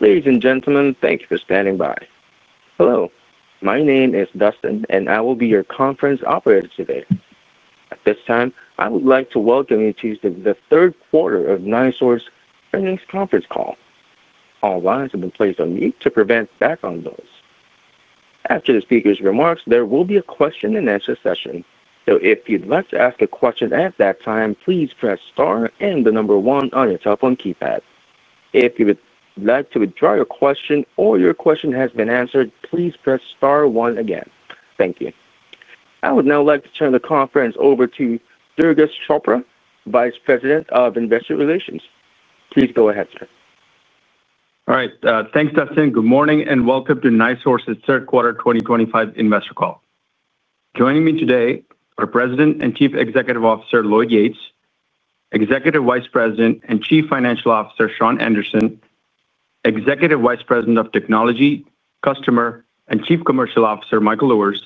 Ladies and gentlemen, thank you for standing by. Hello, my name is Dustin and I will be your conference operator today. At this time, I would like to welcome you to the third quarter of the NiSource earnings conference call. All lines have been placed on mute to prevent background noise. After the speaker's remarks, there will be a question and answer session. If you'd like to ask a question at that time, please press star and the number one on your telephone keypad. If you would like to withdraw your question or your question has been answered, please press star one again. Thank you. I would now like to turn the conference over to Durgesh Chopra, Vice President of Investor Relations. Please go ahead, sir. All right. Thanks, Dustin. Good morning and welcome to NiSource's third quarter 2025 investor call. Joining me today are President and Chief Executive Officer Lloyd Yates, Executive Vice President and Chief Financial Officer Shawn Anderson, Executive Vice President of Technology, Customer, and Chief Commercial Officer Michael Luhrs,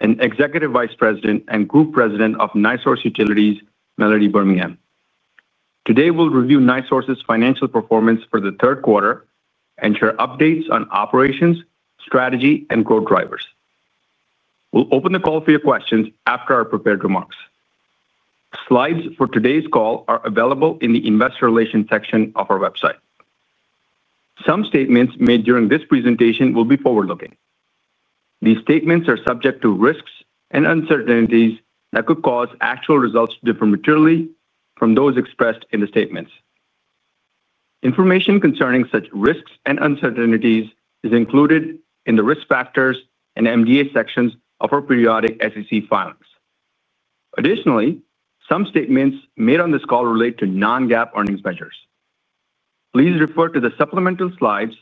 and Executive Vice President and Group President of NiSource Utilities, Melody Birmingham. Today, we'll review NiSource's financial performance for the third quarter and share updates on operations, strategy, and growth drivers. We'll open the call for your questions after our prepared remarks. Slides for today's call are available in the Investor Relations section of our website. Some statements made during this presentation will be forward-looking. These statements are subject to risks and uncertainties that could cause actual results to differ materially from those expressed in the statements. Information concerning such risks and uncertainties is included in the risk factors and MDA sections of our periodic SEC filings. Additionally, some statements made on this call relate to non-GAAP earnings measures. Please refer to the supplemental slides,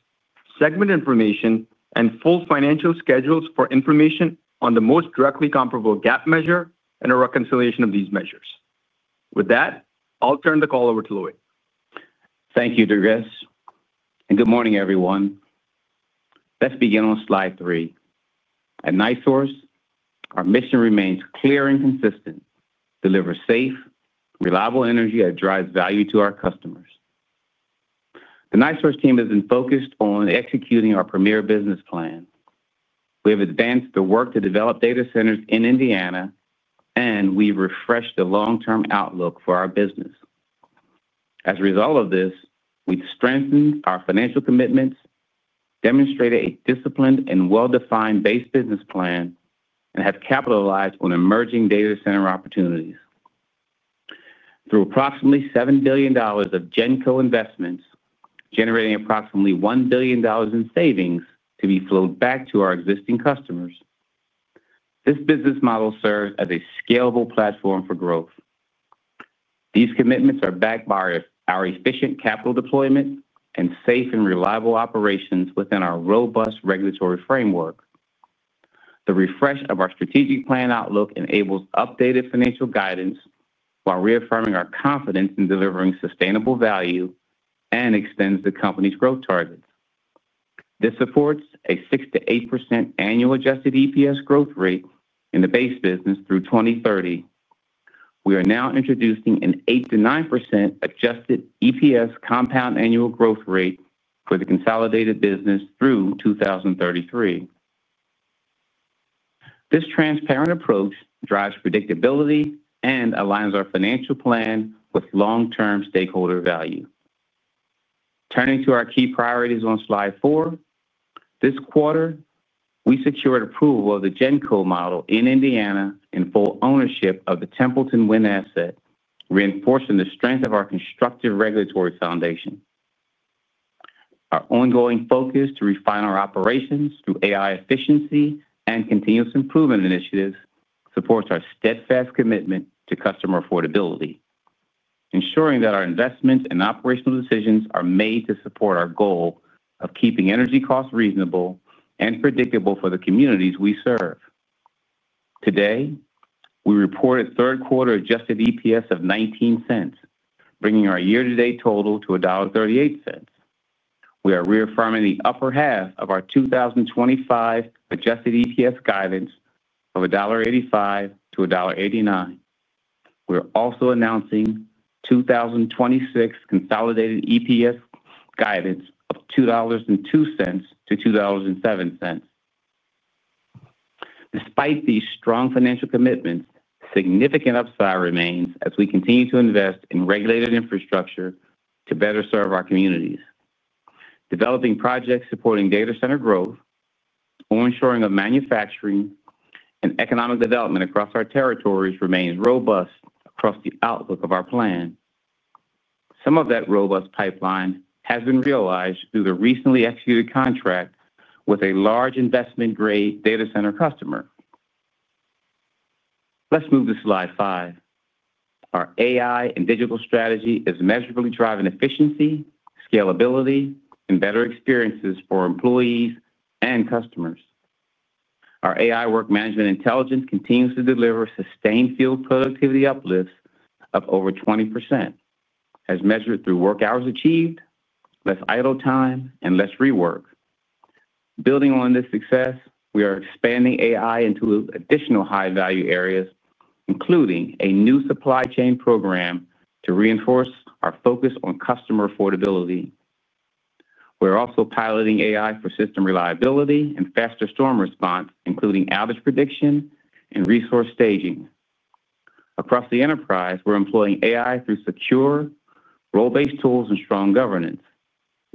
segment information, and full financial schedules for information on the most directly comparable GAAP measure and a reconciliation of these measures. With that, I'll turn the call over to Lloyd. Thank you, Durgesh, and good morning, everyone. Let's begin on slide three. At NiSource, our mission remains clear and consistent: deliver safe, reliable energy that drives value to our customers. The NiSource team has been focused on executing our premier business plan. We have advanced the work to develop data centers in Indiana, and we refreshed the long-term outlook for our business. As a result of this, we've strengthened our financial commitments, demonstrated a disciplined and well-defined base business plan, and have capitalized on emerging data center opportunities. Through approximately $7 billion of Genco investments, generating approximately $1 billion in savings to be flowed back to our existing customers, this business model serves as a scalable platform for growth. These commitments are backed by our efficient capital deployment and safe and reliable operations within our robust regulatory framework. The refresh of our strategic plan outlook enables updated financial guidance while reaffirming our confidence in delivering sustainable value and extends the company's growth targets. This supports a 6%-8% annual adjusted EPS growth rate in the base business through 2030. We are now introducing an 8%-9% adjusted EPS compound annual growth rate for the consolidated business through 2033. This transparent approach drives predictability and aligns our financial plan with long-term stakeholder value. Turning to our key priorities on slide four, this quarter, we secured approval of the Genco model in Indiana and full ownership of the Templeton Wind asset, reinforcing the strength of our constructive regulatory foundation. Our ongoing focus to refine our operations through AI-driven operational efficiencies and continuous improvement initiatives supports our steadfast commitment to customer affordability, ensuring that our investments and operational decisions are made to support our goal of keeping energy costs reasonable and predictable for the communities we serve. Today, we report a third quarter adjusted EPS of $0.19, bringing our year-to-date total to $1.38. We are reaffirming the upper half of our 2025 adjusted EPS guidance of $1.85-$1.89. We're also announcing 2026 consolidated EPS guidance of $2.02-$2.07. Despite these strong financial commitments, significant upside remains as we continue to invest in regulated infrastructure to better serve our communities. Developing projects supporting data center growth or ensuring manufacturing and economic development across our territories remains robust across the outlook of our plan. Some of that robust pipeline has been realized through the recently executed contract with a large investment-grade data center customer. Let's move to slide five. Our AI and digital strategy is measurably driving efficiency, scalability, and better experiences for employees and customers. Our AI work management intelligence continues to deliver sustained field productivity uplifts of over 20% as measured through work hours achieved, less idle time, and less rework. Building on this success, we are expanding AI into additional high-value areas, including a new supply chain program to reinforce our focus on customer affordability. We're also piloting AI for system reliability and faster storm response, including outage prediction and resource staging. Across the enterprise, we're employing AI through secure, role-based tools and strong governance.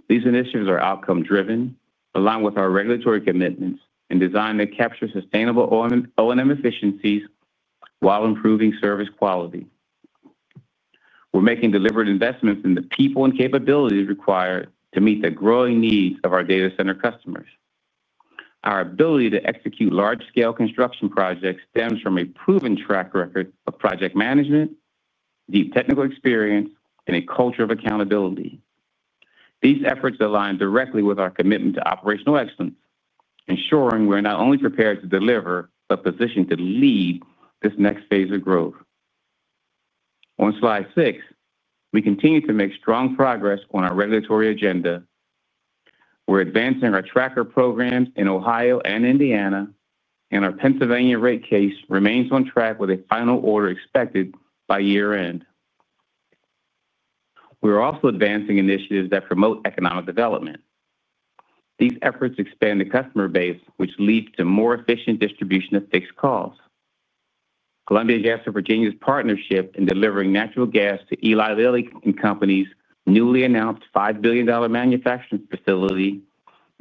These initiatives are outcome-driven, aligned with our regulatory commitments, and designed to capture sustainable O&M efficiencies while improving service quality. We're making deliberate investments in the people and capabilities required to meet the growing needs of our data center customers. Our ability to execute large-scale construction projects stems from a proven track record of project management, deep technical experience, and a culture of accountability. These efforts align directly with our commitment to operational excellence, ensuring we're not only prepared to deliver but positioned to lead this next phase of growth. On slide six, we continue to make strong progress on our regulatory agenda. We're advancing our tracker programs in Ohio and Indiana, and our Pennsylvania rate case remains on track with a final order expected by year-end. We're also advancing initiatives that promote economic development. These efforts expand the customer base, which leads to more efficient distribution of fixed costs. Columbia Gas of Virginia's partnership in delivering natural gas to Eli Lilly and Company's newly announced $5 billion manufacturing facility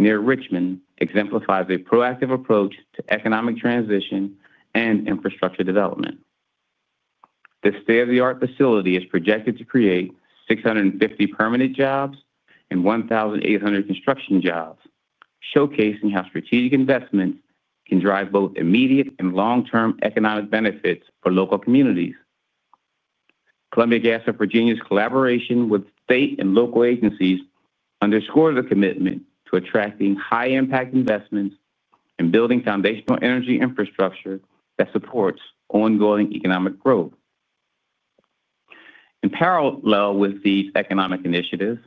near Richmond exemplifies a proactive approach to economic transition and infrastructure development. This state-of-the-art facility is projected to create 650 permanent jobs and 1,800 construction jobs, showcasing how strategic investments can drive both immediate and long-term economic benefits for local communities. Columbia Gas of Virginia's collaboration with state and local agencies underscores the commitment to attracting high-impact investments and building foundational energy infrastructure that supports ongoing economic growth. In parallel with these economic initiatives,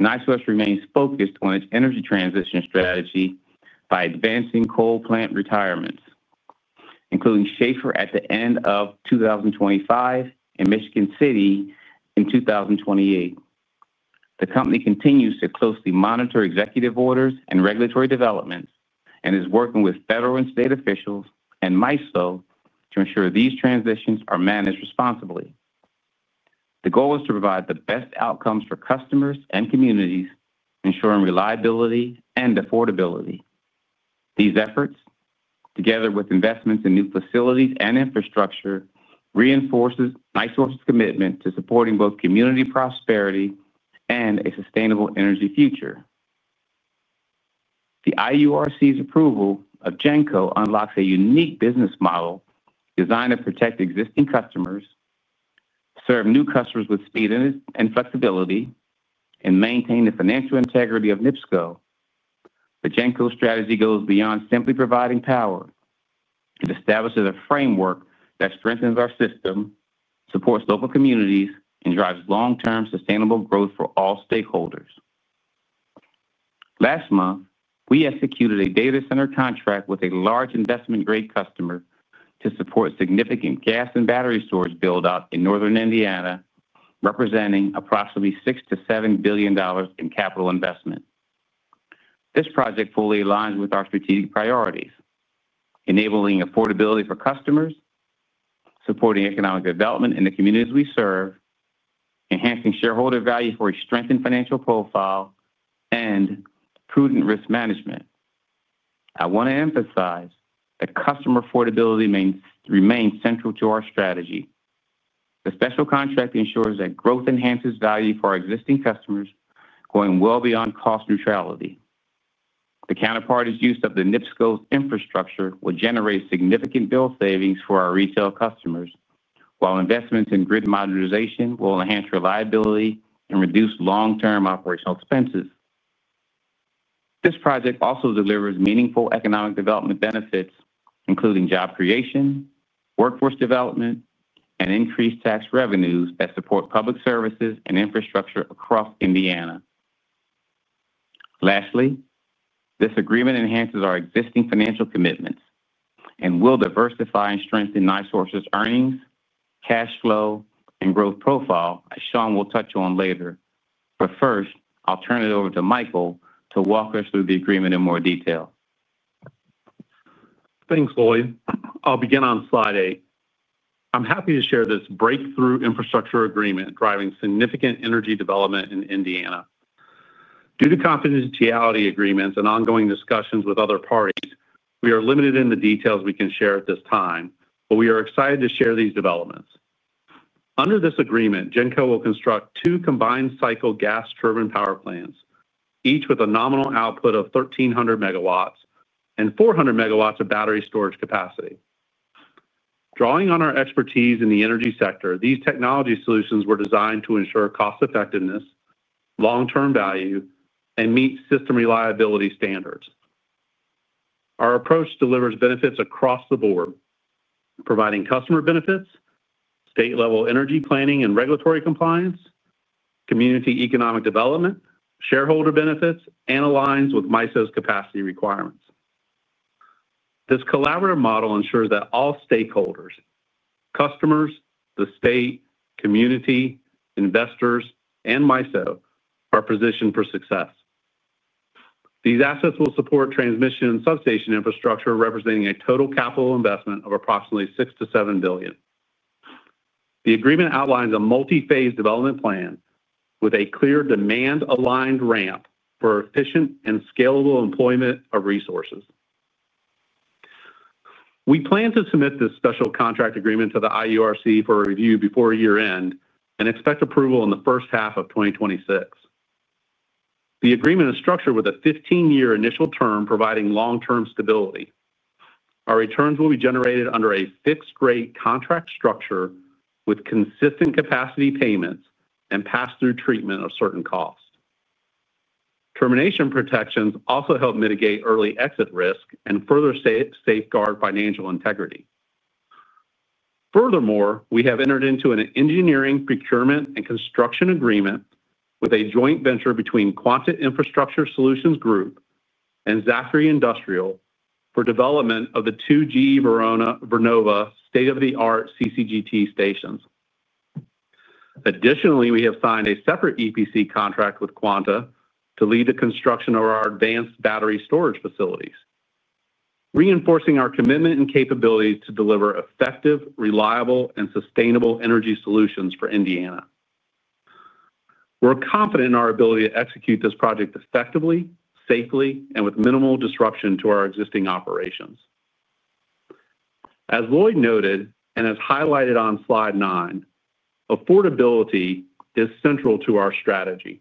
NiSource remains focused on its energy transition strategy by advancing coal plant retirements, including Schahfer at the end of 2025 and Michigan City in 2028. The company continues to closely monitor executive orders and regulatory developments and is working with federal and state officials and MISO to ensure these transitions are managed responsibly. The goal is to provide the best outcomes for customers and communities, ensuring reliability and affordability. These efforts, together with investments in new facilities and infrastructure, reinforce NiSource's commitment to supporting both community prosperity and a sustainable energy future. The IURC's approval of Genco unlocks a unique business model designed to protect existing customers, serve new customers with speed and flexibility, and maintain the financial integrity of NIPSCO. The Genco strategy goes beyond simply providing power. It establishes a framework that strengthens our system, supports local communities, and drives long-term sustainable growth for all stakeholders. Last month, we executed a data center contract with a large investment-grade customer to support significant gas and battery storage buildout in Northern Indiana, representing approximately $6 billion-$7 billion in capital investment. This project fully aligns with our strategic priorities, enabling affordability for customers, supporting economic development in the communities we serve, enhancing shareholder value for a strengthened financial profile, and prudent risk management. I want to emphasize that customer affordability remains central to our strategy. The special contract ensures that growth enhances value for our existing customers, going well beyond cost neutrality. The counterparty's use of NIPSCO's infrastructure will generate significant bill savings for our retail customers, while investments in grid modernization will enhance reliability and reduce long-term operational expenses. This project also delivers meaningful economic development benefits, including job creation, workforce development, and increased tax revenues that support public services and infrastructure across Indiana. Lastly, this agreement enhances our existing financial commitments and will diversify and strengthen NiSource's earnings, cash flow, and growth profile, as Shawn will touch on later. I'll turn it over to Michael to walk us through the agreement in more detail. Thanks, Lloyd. I'll begin on slide eight. I'm happy to share this breakthrough infrastructure agreement driving significant energy development in Indiana. Due to confidentiality agreements and ongoing discussions with other parties, we are limited in the details we can share at this time, but we are excited to share these developments. Under this agreement, Genco will construct two combined cycle gas turbine power plants, each with a nominal output of 1,300 MW and 400 MW of battery storage capacity. Drawing on our expertise in the energy sector, these technology solutions were designed to ensure cost effectiveness, long-term value, and meet system reliability standards. Our approach delivers benefits across the board, providing customer benefits, state-level energy planning and regulatory compliance, community economic development, shareholder benefits, and aligns with MISO's capacity requirements. This collaborative model ensures that all stakeholders—customers, the state, community, investors, and MISO—are positioned for success. These assets will support transmission and substation infrastructure, representing a total capital investment of approximately $6 billion-$7 billion. The agreement outlines a multi-phase development plan with a clear demand-aligned ramp for efficient and scalable employment of resources. We plan to submit this special contract agreement to the IURC for review before year-end and expect approval in the first half of 2026. The agreement is structured with a 15-year initial term, providing long-term stability. Our returns will be generated under a fixed-rate contract structure with consistent capacity payments and pass-through treatment of certain costs. Termination protections also help mitigate early exit risk and further safeguard financial integrity. Furthermore, we have entered into an engineering, procurement, and construction agreement with a joint venture between Quanta Infrastructure Solutions Group and Zachry Industrial for development of the two GE Vernova state-of-the-art CCGT stations. Additionally, we have signed a separate EPC contract with Quanta to lead the construction of our advanced battery storage facilities, reinforcing our commitment and capabilities to deliver effective, reliable, and sustainable energy solutions for Indiana. We're confident in our ability to execute this project effectively, safely, and with minimal disruption to our existing operations. As Lloyd noted and as highlighted on slide nine, affordability is central to our strategy,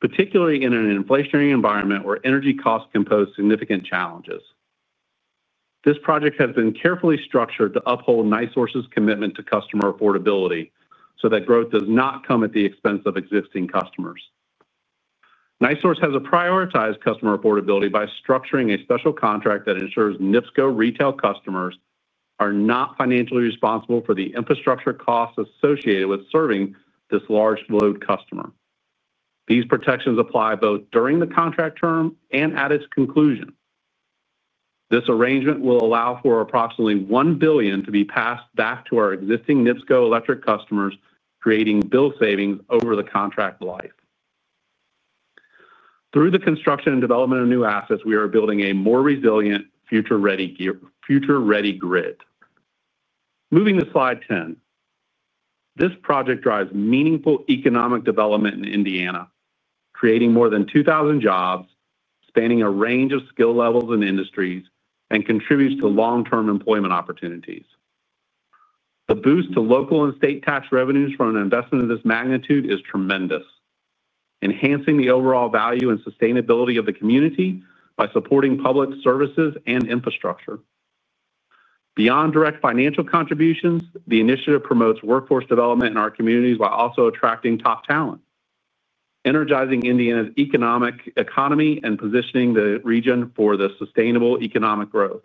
particularly in an inflationary environment where energy costs compose significant challenges. This project has been carefully structured to uphold NiSource's commitment to customer affordability so that growth does not come at the expense of existing customers. NiSource has prioritized customer affordability by structuring a special contract that ensures NIPSCO retail customers are not financially responsible for the infrastructure costs associated with serving this large load customer. These protections apply both during the contract term and at its conclusion. This arrangement will allow for approximately $1 billion to be passed back to our existing NIPSCO electric customers, creating bill savings over the contract life. Through the construction and development of new assets, we are building a more resilient, future-ready grid. Moving to slide 10, this project drives meaningful economic development in Indiana, creating more than 2,000 jobs, spanning a range of skill levels and industries, and contributes to long-term employment opportunities. The boost to local and state tax revenues from an investment of this magnitude is tremendous, enhancing the overall value and sustainability of the community by supporting public services and infrastructure. Beyond direct financial contributions, the initiative promotes workforce development in our communities while also attracting top talent, energizing Indiana's economy and positioning the region for sustainable economic growth.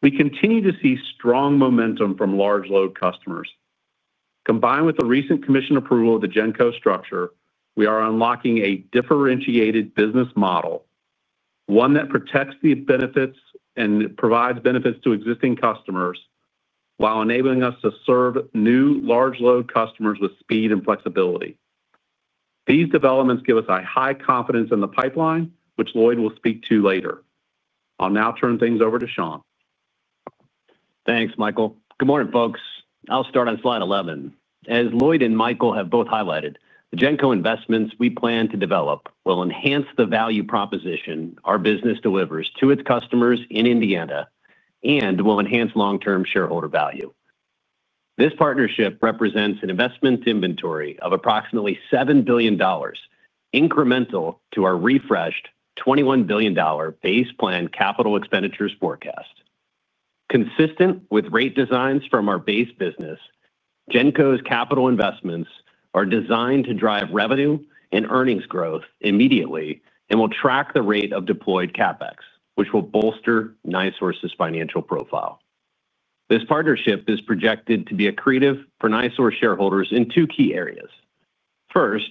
We continue to see strong momentum from large load customers. Combined with the recent commission approval of the Genco structure, we are unlocking a differentiated business model, one that protects the benefits and provides benefits to existing customers while enabling us to serve new large load customers with speed and flexibility. These developments give us a high confidence in the pipeline, which Lloyd will speak to later. I'll now turn things over to Shawn. Thanks, Michael. Good morning, folks. I'll start on slide 11. As Lloyd and Michael have both highlighted, the Genco investments we plan to develop will enhance the value proposition our business delivers to its customers in Indiana and will enhance long-term shareholder value. This partnership represents an investment inventory of approximately $7 billion, incremental to our refreshed $21 billion base plan capital expenditures forecast. Consistent with rate designs from our base business, Genco's capital investments are designed to drive revenue and earnings growth immediately and will track the rate of deployed CapEx, which will bolster NiSource's financial profile. This partnership is projected to be accretive for NiSource shareholders in two key areas. First,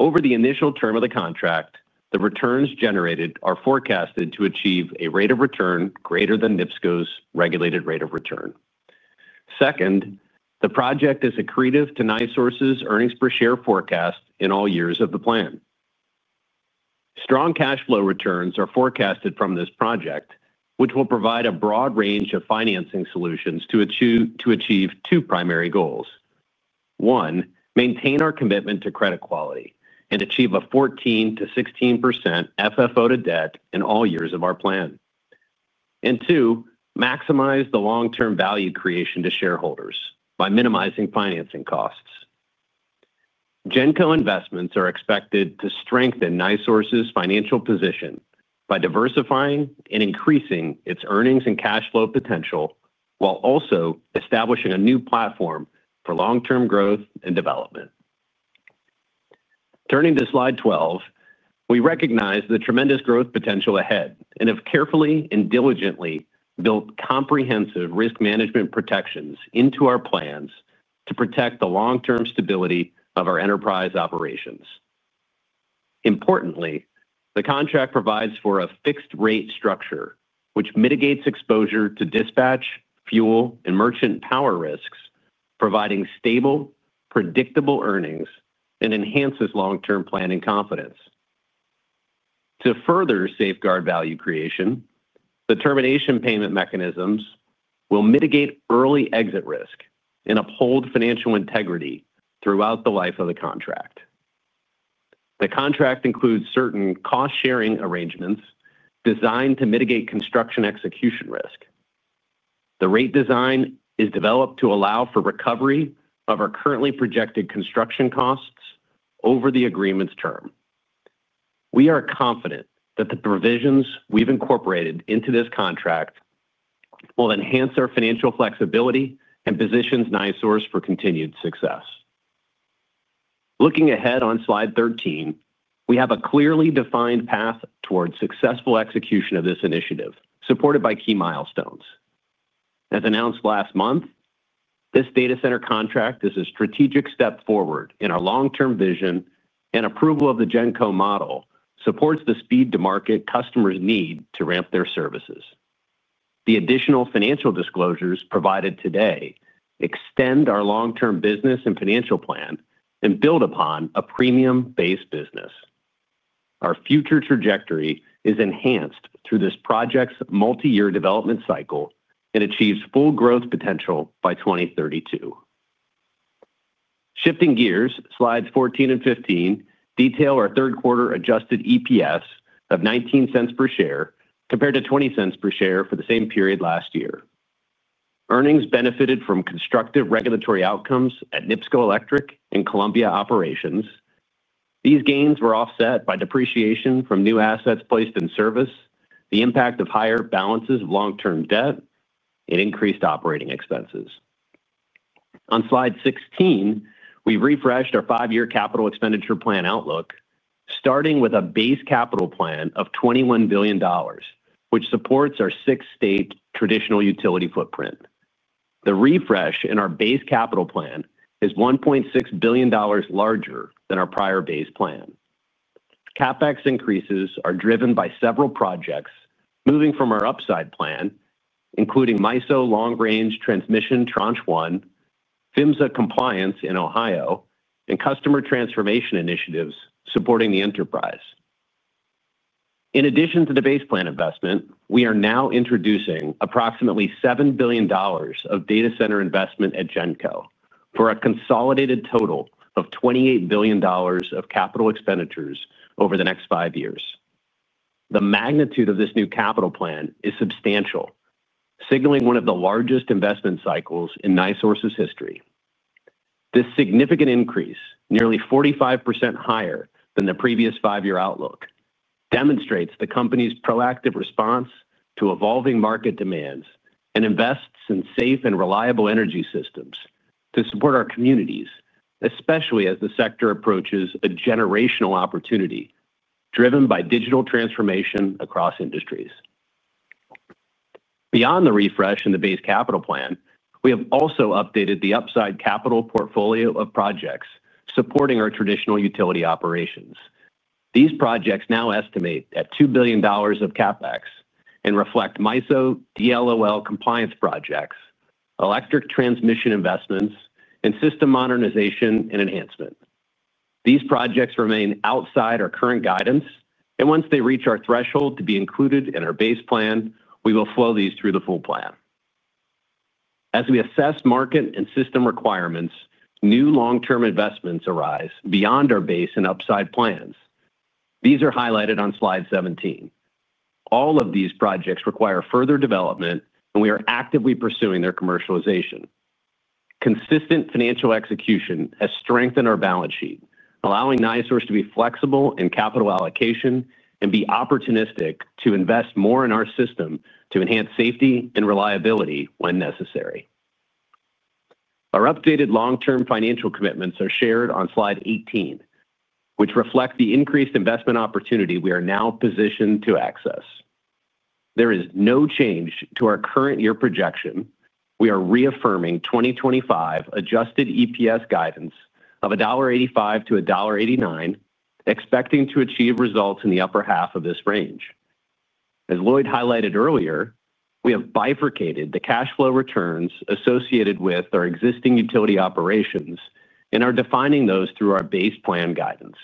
over the initial term of the contract, the returns generated are forecasted to achieve a rate of return greater than NIPSCO's regulated rate of return. Second, the project is accretive to NiSource's earnings per share forecast in all years of the plan. Strong cash flow returns are forecasted from this project, which will provide a broad range of financing solutions to achieve two primary goals. One, maintain our commitment to credit quality and achieve a 14%-16% FFO to debt in all years of our plan. Two, maximize the long-term value creation to shareholders by minimizing financing costs. Genco investments are expected to strengthen NiSource's financial position by diversifying and increasing its earnings and cash flow potential while also establishing a new platform for long-term growth and development. Turning to slide 12, we recognize the tremendous growth potential ahead and have carefully and diligently built comprehensive risk management protections into our plans to protect the long-term stability of our enterprise operations. Importantly, the contract provides for a fixed-rate structure, which mitigates exposure to dispatch, fuel, and merchant power risks, providing stable, predictable earnings and enhances long-term planning confidence. To further safeguard value creation, the termination payment mechanisms will mitigate early exit risk and uphold financial integrity throughout the life of the contract. The contract includes certain cost-sharing arrangements designed to mitigate construction execution risk. The rate design is developed to allow for recovery of our currently projected construction costs over the agreement's term. We are confident that the provisions we've incorporated into this contract will enhance our financial flexibility and position NiSource for continued success. Looking ahead on slide 13, we have a clearly defined path toward successful execution of this initiative, supported by key milestones. As announced last month, this data center contract is a strategic step forward in our long-term vision, and approval of the Genco model supports the speed-to-market customers' need to ramp their services. The additional financial disclosures provided today extend our long-term business and financial plan and build upon a premium-based business. Our future trajectory is enhanced through this project's multi-year development cycle and achieves full growth potential by 2032. Shifting gears, slides 14 and 15 detail our third quarter adjusted EPS of $0.19 per share compared to $0.20 per share for the same period last year. Earnings benefited from constructive regulatory outcomes at NIPSCO Electric and Columbia Gas Operations. These gains were offset by depreciation from new assets placed in service, the impact of higher balances of long-term debt, and increased operating expenses. On slide 16, we've refreshed our five-year capital expenditure plan outlook, starting with a base capital plan of $21 billion, which supports our six-state traditional utility footprint. The refresh in our base capital plan is $1.6 billion larger than our prior base plan. CapEx increases are driven by several projects moving from our upside plan, including MISO long-range transmission tranche one, FMSA compliance in Ohio, and customer transformation initiatives supporting the enterprise. In addition to the base plan investment, we are now introducing approximately $7 billion of data center investment at Genco for a consolidated total of $28 billion of capital expenditures over the next five years. The magnitude of this new capital plan is substantial, signaling one of the largest investment cycles in NiSource's history. This significant increase, nearly 45% higher than the previous five-year outlook, demonstrates the company's proactive response to evolving market demands and invests in safe and reliable energy systems to support our communities, especially as the sector approaches a generational opportunity driven by digital transformation across industries. Beyond the refresh in the base capital plan, we have also updated the upside capital portfolio of projects supporting our traditional utility operations. These projects now estimate at $2 billion of CapEx and reflect MISO DLOL compliance projects, electric transmission investments, and system modernization and enhancement. These projects remain outside our current guidance, and once they reach our threshold to be included in our base plan, we will flow these through the full plan. As we assess market and system requirements, new long-term investments arise beyond our base and upside plans. These are highlighted on slide 17. All of these projects require further development, and we are actively pursuing their commercialization. Consistent financial execution has strengthened our balance sheet, allowing NiSource to be flexible in capital allocation and be opportunistic to invest more in our system to enhance safety and reliability when necessary. Our updated long-term financial commitments are shared on slide 18, which reflect the increased investment opportunity we are now positioned to access. There is no change to our current year projection. We are reaffirming 2025 adjusted EPS guidance of $1.85-$1.89, expecting to achieve results in the upper half of this range. As Lloyd highlighted earlier, we have bifurcated the cash flow returns associated with our existing utility operations and are defining those through our base plan guidance.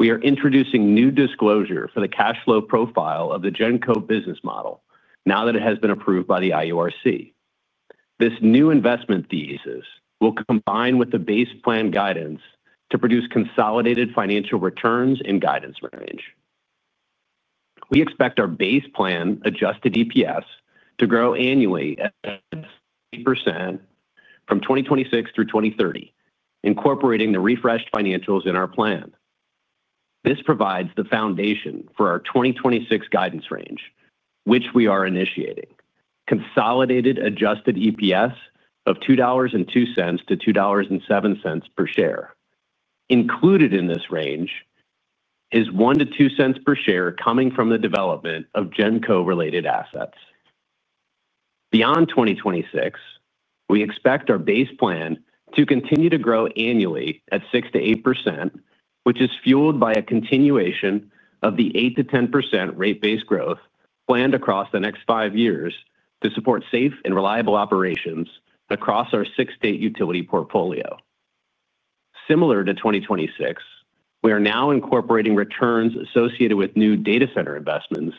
We are introducing new disclosure for the cash flow profile of the Genco business model now that it has been approved by the IURC. This new investment thesis will combine with the base plan guidance to produce consolidated financial returns in guidance range. We expect our base plan adjusted EPS to grow annually at 20% from 2026 through 2030, incorporating the refreshed financials in our plan. This provides the foundation for our 2026 guidance range, which we are initiating: consolidated adjusted EPS of $2.02-$2.07 per share. Included in this range is $0.01-$0.02 per share coming from the development of Genco related assets. Beyond 2026, we expect our base plan to continue to grow annually at 6% to 8%, which is fueled by a continuation of the 8% to 10% rate-based growth planned across the next five years to support safe and reliable operations across our six-state utility portfolio. Similar to 2026, we are now incorporating returns associated with new data center investments,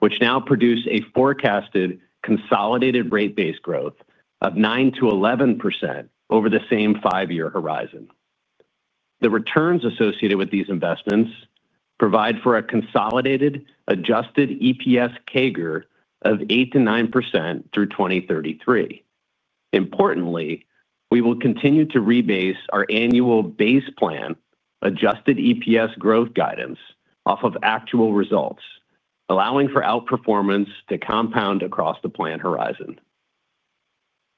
which now produce a forecasted consolidated rate-based growth of 9% to 11% over the same five-year horizon. The returns associated with these investments provide for a consolidated adjusted EPS CAGR of 8% to 9% through 2033. Importantly, we will continue to rebase our annual base plan adjusted EPS growth guidance off of actual results, allowing for outperformance to compound across the planned horizon.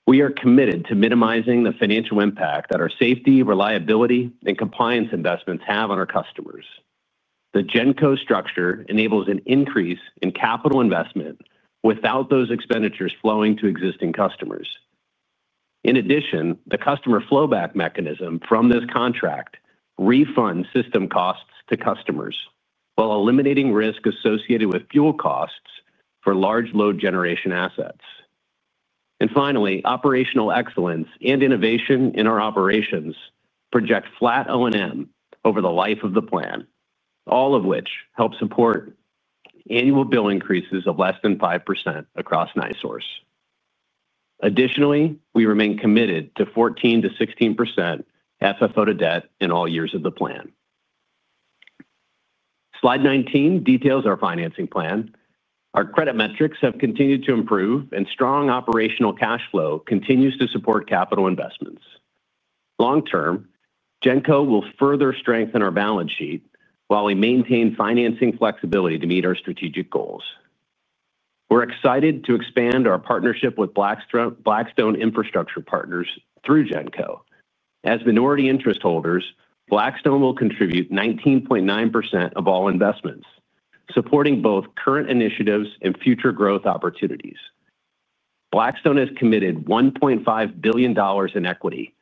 We are committed to minimizing the financial impact that our safety, reliability, and compliance investments have on our customers. The Genco structure enables an increase in capital investment without those expenditures flowing to existing customers. In addition, the customer flowback mechanism from this contract refunds system costs to customers while eliminating risk associated with fuel costs for large load generation assets. Finally, operational excellence and innovation in our operations project flat O&M over the life of the plan, all of which helps support annual bill increases of less than 5% across NiSource. Additionally, we remain committed to 14%-16% FFO to debt in all years of the plan. Slide 19 details our financing plan. Our credit metrics have continued to improve, and strong operational cash flow continues to support capital investments. Long-term, Genco will further strengthen our balance sheet while we maintain financing flexibility to meet our strategic goals. We're excited to expand our partnership with Blackstone Infrastructure Partners through Genco. As minority interest holders, Blackstone will contribute 19.9% of all investments, supporting both current initiatives and future growth opportunities. Blackstone has committed $1.5 billion in equity,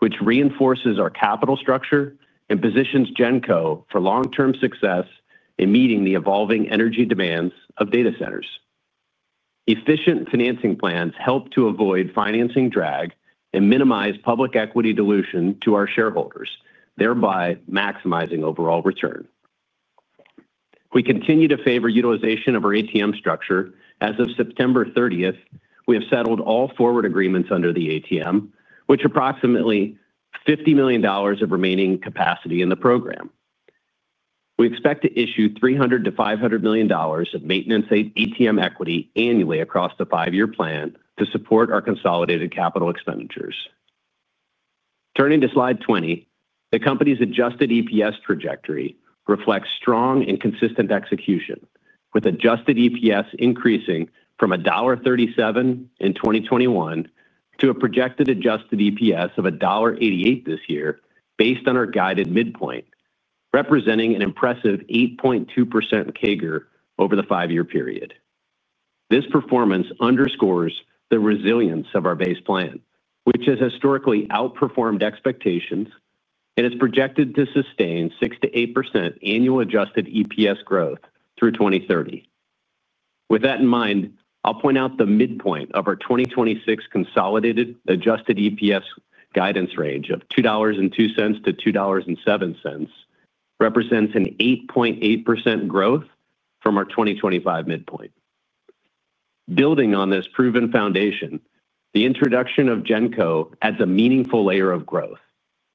which reinforces our capital structure and positions Genco for long-term success in meeting the evolving energy demands of data centers. Efficient financing plans help to avoid financing drag and minimize public equity dilution to our shareholders, thereby maximizing overall return. We continue to favor utilization of our ATM structure. As of September 30th, we have settled all forward agreements under the ATM, with approximately $50 million of remaining capacity in the program. We expect to issue $300 million-$500 million of maintenance ATM equity annually across the five-year plan to support our consolidated capital expenditures. Turning to slide 20, the company's adjusted EPS trajectory reflects strong and consistent execution, with adjusted EPS increasing from $1.37 in 2021 to a projected adjusted EPS of $1.88 this year based on our guided midpoint, representing an impressive 8.2% CAGR over the five-year period. This performance underscores the resilience of our base plan, which has historically outperformed expectations and is projected to sustain 6%-8% annual adjusted EPS growth through 2030. With that in mind, I'll point out the midpoint of our 2026 consolidated adjusted EPS guidance range of $2.02 to $2.07 represents an 8.8% growth from our 2025 midpoint. Building on this proven foundation, the introduction of Genco adds a meaningful layer of growth,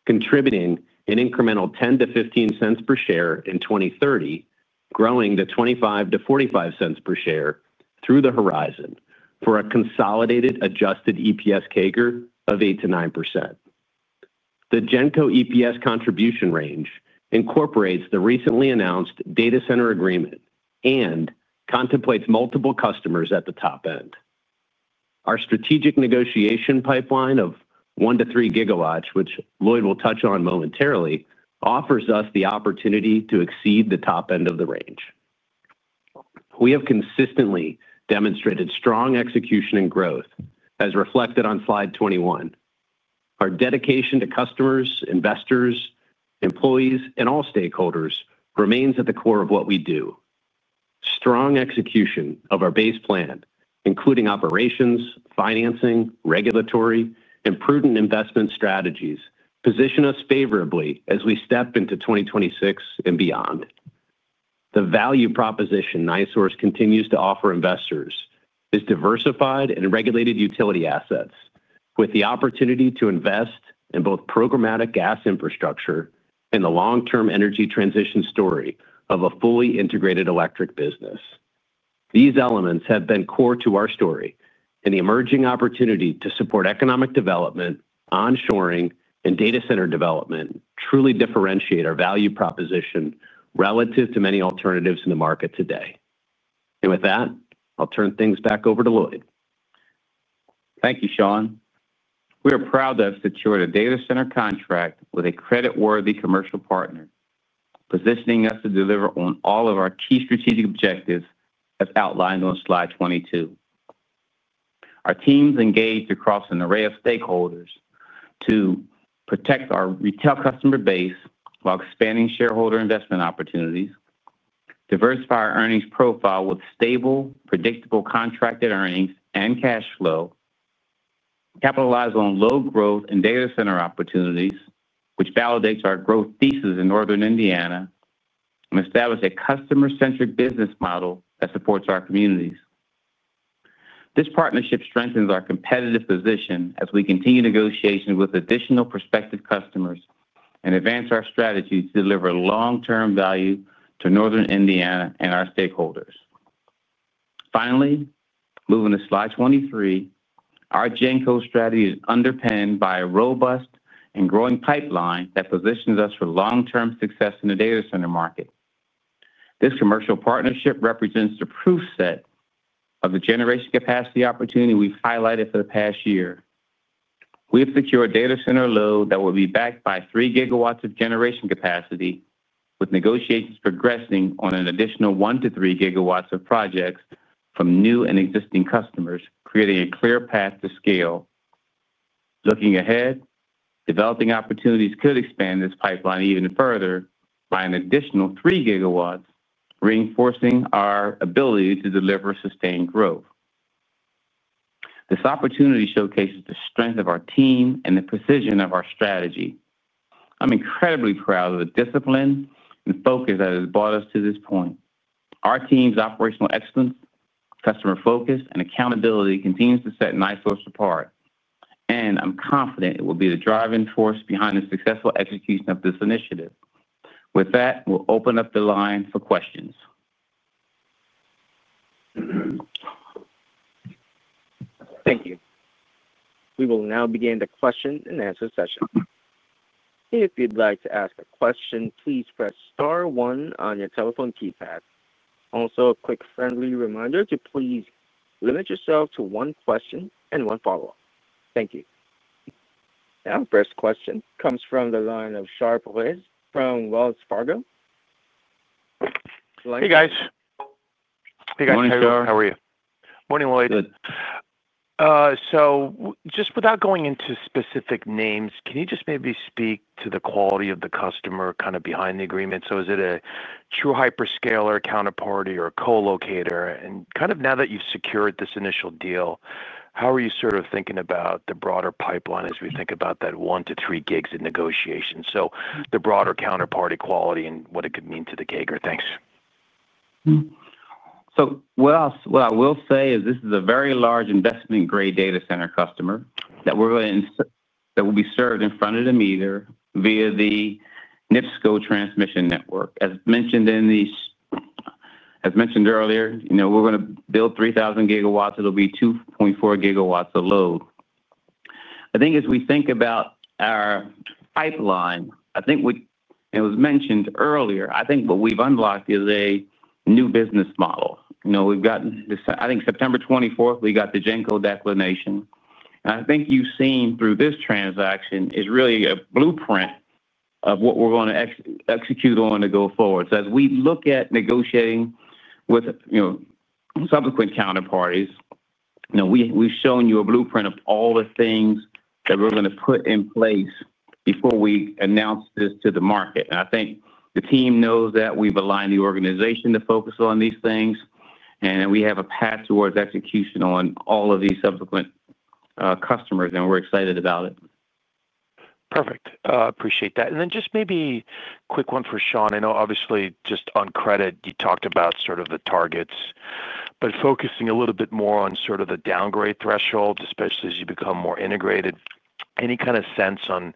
contributing an incremental $0.10-$0.15 per share in 2030, growing to $0.25 to $0.45 per share through the horizon for a consolidated adjusted EPS CAGR of 8%-9%. The Genco EPS contribution range incorporates the recently announced data center agreement and contemplates multiple customers at the top end. Our strategic negotiation pipeline of 1 to 3 GW, which Lloyd will touch on momentarily, offers us the opportunity to exceed the top end of the range. We have consistently demonstrated strong execution and growth, as reflected on slide 21. Our dedication to customers, investors, employees, and all stakeholders remains at the core of what we do. Strong execution of our base plan, including operations, financing, regulatory, and prudent investment strategies, position us favorably as we step into 2026 and beyond. The value proposition NiSource continues to offer investors is diversified and regulated utility assets, with the opportunity to invest in both programmatic gas infrastructure and the long-term energy transition story of a fully integrated electric business. These elements have been core to our story, and the emerging opportunity to support economic development, onshoring, and data center development truly differentiate our value proposition relative to many alternatives in the market today. With that, I'll turn things back over to Lloyd. Thank you, Shawn. We are proud to have secured a data center contract with a credit-worthy commercial partner, positioning us to deliver on all of our key strategic objectives as outlined on slide 22. Our team's engaged across an array of stakeholders to protect our retail customer base while expanding shareholder investment opportunities, diversify our earnings profile with stable, predictable contracted earnings and cash flow, capitalize on low growth and data center opportunities, which validates our growth thesis in Northern Indiana, and establish a customer-centric business model that supports our communities. This partnership strengthens our competitive position as we continue negotiations with additional prospective customers and advance our strategy to deliver long-term value to Northern Indiana and our stakeholders. Finally, moving to slide 23, our Genco strategy is underpinned by a robust and growing pipeline that positions us for long-term success in the data center market. This commercial partnership represents the proof set of the generation capacity opportunity we've highlighted for the past year. We have secured a data center load that will be backed by 3 GW of generation capacity, with negotiations progressing on an additional 1 to 3 GW of projects from new and existing customers, creating a clear path to scale. Looking ahead, developing opportunities could expand this pipeline even further by an additional 3 GW, reinforcing our ability to deliver sustained growth. This opportunity showcases the strength of our team and the precision of our strategy. I'm incredibly proud of the discipline and focus that has brought us to this point. Our team's operational excellence, customer focus, and accountability continue to set NiSource apart. I'm confident it will be the driving force behind the successful execution of this initiative. With that, we'll open up the line for questions. Thank you. We will now begin the question and answer session. If you'd like to ask a question, please press star one on your telephone keypad. Also, a quick friendly reminder to please limit yourself to one question and one follow-up. Thank you. Our first question comes from the line of Shar Pourreza from Wells Fargo. Hey, guys. How are you? Morning, Lloyd. Good. Without going into specific names, can you just maybe speak to the quality of the customer behind the agreement? Is it a true hyperscaler counterparty or a co-locator? Now that you've secured this initial deal, how are you thinking about the broader pipeline as we think about that 1 to 3 gigs in negotiations? The broader counterparty quality and what it could mean to the CAGR. Thanks. This is a very large investment-grade data center customer that we're going to that will be served in front of the meter via the NIPSCO transmission network. As mentioned earlier, you know we're going to build 3,000 GW. It'll be 2.4 GW of load. I think as we think about our pipeline, what we've unlocked is a new business model. You know we've gotten this, I think September 24, we got the Genco declination. I think you've seen through this transaction is really a blueprint of what we're going to execute on to go forward. As we look at negotiating with subsequent counterparties, we've shown you a blueprint of all the things that we're going to put in place before we announce this to the market. I think the team knows that we've aligned the organization to focus on these things, and we have a path towards execution on all of these subsequent customers, and we're excited about it. Perfect. I appreciate that. Maybe a quick one for Shawn. I know obviously just on credit, you talked about the targets, but focusing a little bit more on the downgrade thresholds, especially as you become more integrated. Any kind of sense on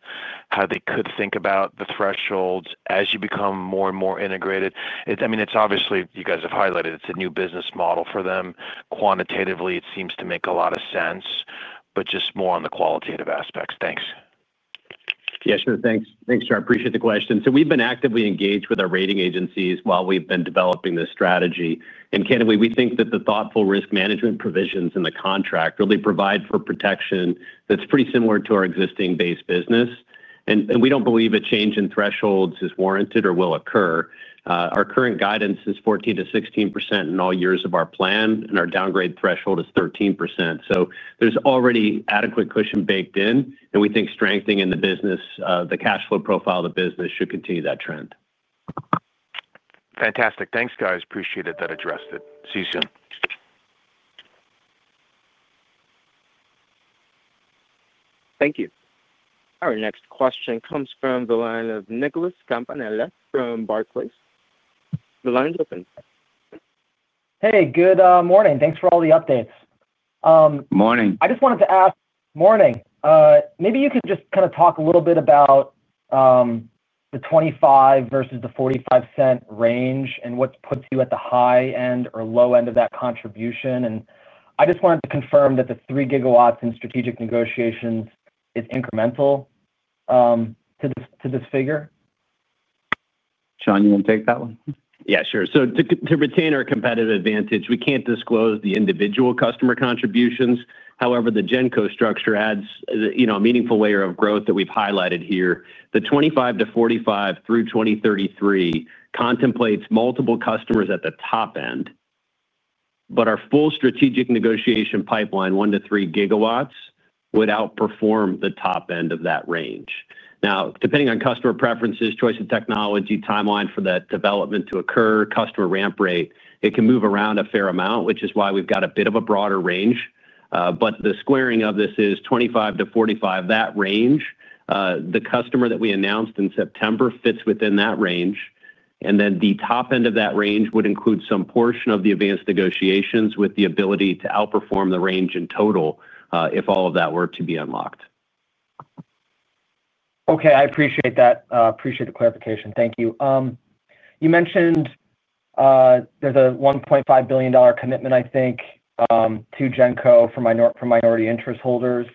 how they could think about the thresholds as you become more and more integrated? It's obviously you guys have highlighted it's a new business model for them. Quantitatively, it seems to make a lot of sense, but just more on the qualitative aspects. Thanks. Thank you, Shawn. I appreciate the question. We have been actively engaged with our rating agencies while we have been developing this strategy. Candidly, we think that the thoughtful risk management provisions in the contract really provide for protection that's pretty similar to our existing base business. We do not believe a change in thresholds is warranted or will occur. Our current guidance is 14% to 16% in all years of our plan, and our downgrade threshold is 13%. There is already adequate cushion baked in, and we think strengthening the business, the cash flow profile of the business should continue that trend. Fantastic. Thanks, guys. Appreciate it. That addressed it. See you soon. Thank you. Our next question comes from the line of Nicholas Campanella from Barclays. The line's open. Hey, good morning. Thanks for all the updates. Morning. I just wanted to ask, morning. Maybe you can just kind of talk a little bit about the $0.25 versus the $0.45 range and what puts you at the high end or low end of that contribution. I just wanted to confirm that the 3 GW in strategic negotiations is incremental to this figure. Shawn, you want to take that one? Yeah, sure. To retain our competitive advantage, we can't disclose the individual customer contributions. However, the Genco structure adds a meaningful layer of growth that we've highlighted here. The $25 million- $45 million through 2033 contemplates multiple customers at the top end, but our full strategic negotiation pipeline, 1 to 3 GW, would outperform the top end of that range. Depending on customer preferences, choice of technology, timeline for that development to occur, and customer ramp rate, it can move around a fair amount, which is why we've got a bit of a broader range. The squaring of this is $25 million-$45 million, that range. The customer that we announced in September fits within that range. The top end of that range would include some portion of the advanced negotiations with the ability to outperform the range in total if all of that were to be unlocked. Okay, I appreciate that. Appreciate the clarification. Thank you. You mentioned there's a $1.5 billion commitment, I think, to Genco for minority interest holders.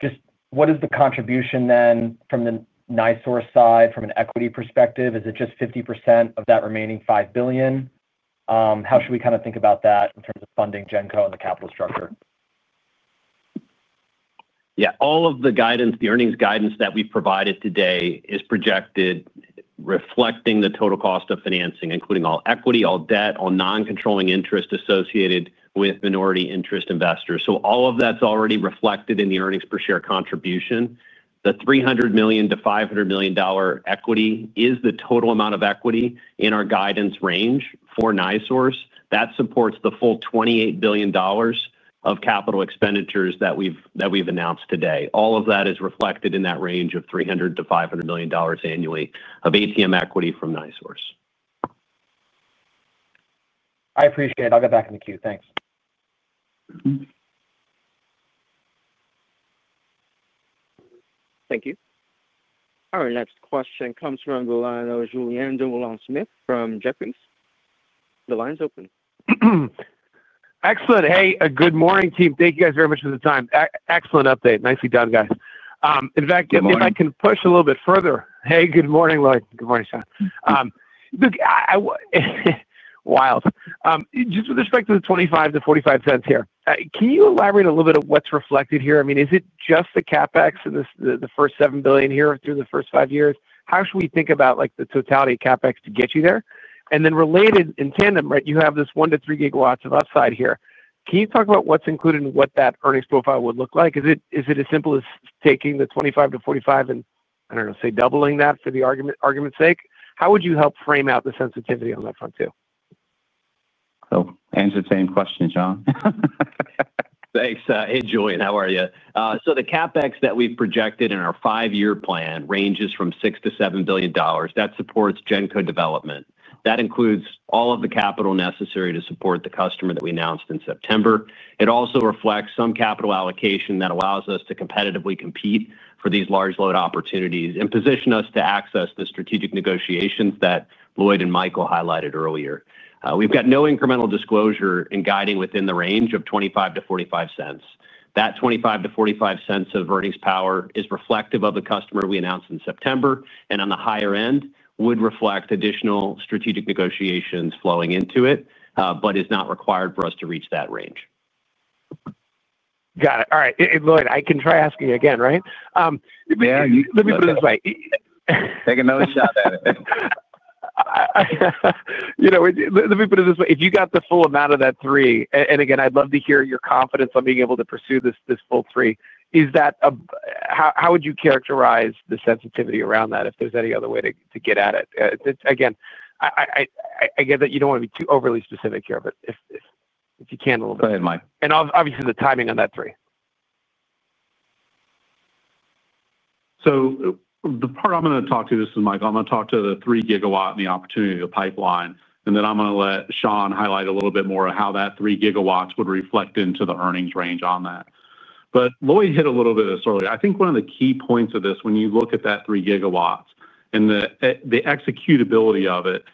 Just what is the contribution then from the NiSource side from an equity perspective? Is it just 50% of that remaining $5 billion? How should we kind of think about that in terms of funding Genco and the capital structure? Yeah, all of the guidance, the earnings guidance that we've provided today is projected reflecting the total cost of financing, including all equity, all debt, all non-controlling interest associated with minority interest investors. All of that's already reflected in the earnings per share contribution. The $300 million-$500 million equity is the total amount of equity in our guidance range for NiSource. That supports the full $28 billion of capital expenditures that we've announced today. All of that is reflected in that range of $300 million-$500 million annually of ATM equity from NiSource. I appreciate it. I'll get back in the queue. Thanks. Thank you. Our next question comes from the line of Julien Dumoulin-Smith from Jefferies. The line's open. Excellent. Hey, good morning, team. Thank you guys very much for the time. Excellent update. Nicely done, guys. In fact, if I can push a little bit further. Hey, good morning, Lloyd. Good morning, Shawn. Just with respect to the $0.25 to $0.45 here, can you elaborate a little bit of what's reflected here? I mean, is it just the CapEx in the first $7 billion here through the first five years? How should we think about the totality of CapEx to get you there? Related in tandem, you have this 1 to 3 GW of upside here. Can you talk about what's included and what that earnings profile would look like? Is it as simple as taking the $0.25-$0.45 and, I don't know, say doubling that for the argument's sake? How would you help frame out the sensitivity on that front too? Thank you. Hey, Julien, how are you? The CapEx that we've projected in our five-year plan ranges from $6 billion-$7 billion. That supports Genco development. That includes all of the capital necessary to support the customer that we announced in September. It also reflects some capital allocation that allows us to competitively compete for these large load opportunities and position us to access the strategic negotiations that Lloyd and Michael highlighted earlier. We've got no incremental disclosure in guiding within the range of $0.25-$0.45. That $0.25-$0.45 of earnings power is reflective of the customer we announced in September, and on the higher end would reflect additional strategic negotiations flowing into it, but is not required for us to reach that range. Got it. All right, Lloyd, I can try asking you again, right? Yeah, you can. Let me put it this way. Take another shot at it. Let me put it this way. If you got the full amount of that $3 billion, and again, I'd love to hear your confidence on being able to pursue this full $3 billion, how would you characterize the sensitivity around that? Is there any other way to get at it? I get that you don't want to be too overly specific here, but if you can a little bit. Go ahead, Mike. Obviously, the timing on that three. The part I'm going to talk to, this is Mike, I'm going to talk to the 3 GW and the opportunity of the pipeline. I'm going to let Shawn highlight a little bit more of how that 3 GW would reflect into the earnings range on that. Lloyd hit a little bit of this earlier. I think one of the key points of this, when you look at that 3 GW and the executability of it,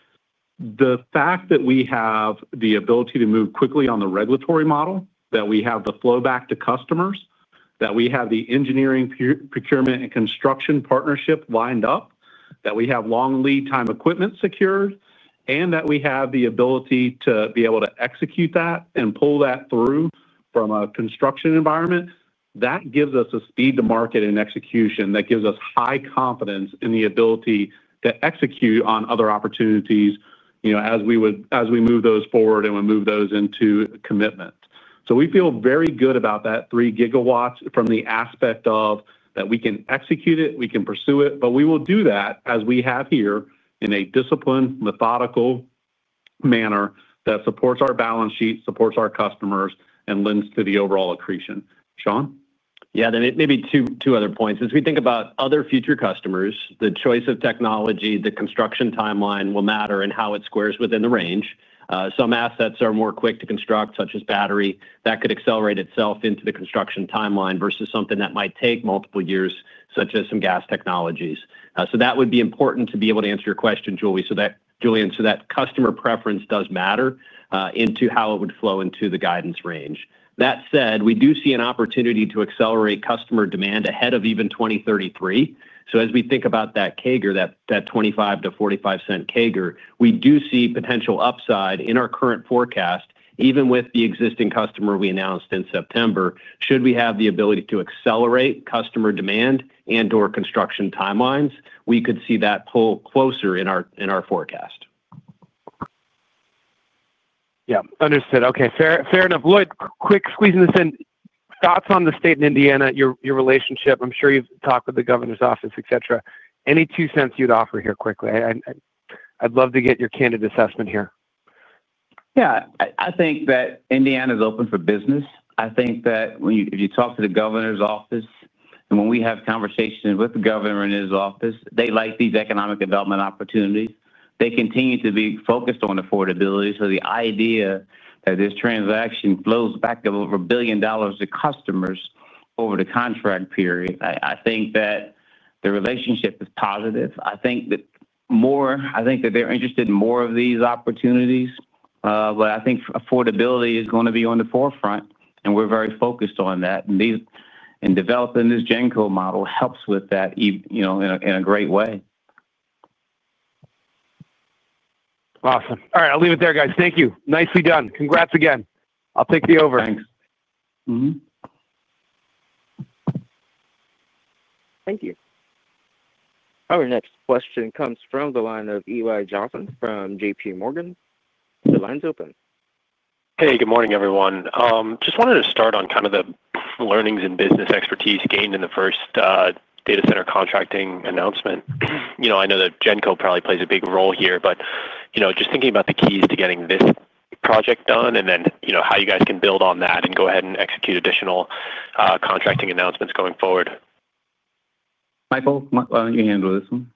the fact that we have the ability to move quickly on the regulatory model, that we have the flowback to customers, that we have the engineering, procurement, and construction partnership lined up, that we have long lead time equipment secured, and that we have the ability to be able to execute that and pull that through from a construction environment, that gives us a speed to market and execution that gives us high confidence in the ability to execute on other opportunities as we move those forward and we move those into commitment. We feel very good about that 3 GW from the aspect of that we can execute it, we can pursue it, but we will do that as we have here in a disciplined, methodical manner that supports our balance sheet, supports our customers, and lends to the overall accretion. Shawn? Yeah, maybe two other points. As we think about other future customers, the choice of technology and the construction timeline will matter and how it squares within the range. Some assets are more quick to construct, such as battery, that could accelerate itself into the construction timeline versus something that might take multiple years, such as some gas technologies. That would be important to be able to answer your question, Julien, so that customer preference does matter into how it would flow into the guidance range. That said, we do see an opportunity to accelerate customer demand ahead of even 2033. As we think about that CAGR, that $0.25-$0.45 CAGR, we do see potential upside in our current forecast, even with the existing customer we announced in September. Should we have the ability to accelerate customer demand and/or construction timelines, we could see that pull closer in our forecast. Yeah, understood. Okay, fair enough. Lloyd, quick squeeze in the sand. Thoughts on the state in Indiana, your relationship? I'm sure you've talked with the governor's office, etc. Any two cents you'd offer here quickly? I'd love to get your candid assessment here. I think that Indiana is open for business. I think that if you talk to the governor's office and when we have conversations with the governor and his office, they like these economic development opportunities. They continue to be focused on affordability. The idea that this transaction flows back over $1 billion to customers over the contract period, I think that the relationship is positive. I think that they're interested in more of these opportunities. I think affordability is going to be on the forefront, and we're very focused on that. Developing this Genco model helps with that in a great way. Awesome. All right, I'll leave it there, guys. Thank you. Nicely done. Congrats again. I'll take the over. Thanks. Thank you. Our next question comes from the line of Eli Jossen from JPMorgan. The line's open. Hey, good morning, everyone. Just wanted to start on the learnings and business expertise gained in the first data center contracting announcement. I know that Genco probably plays a big role here, but just thinking about the keys to getting this project done and how you guys can build on that and go ahead and execute additional contracting announcements going forward. Michael, why don't you handle this one?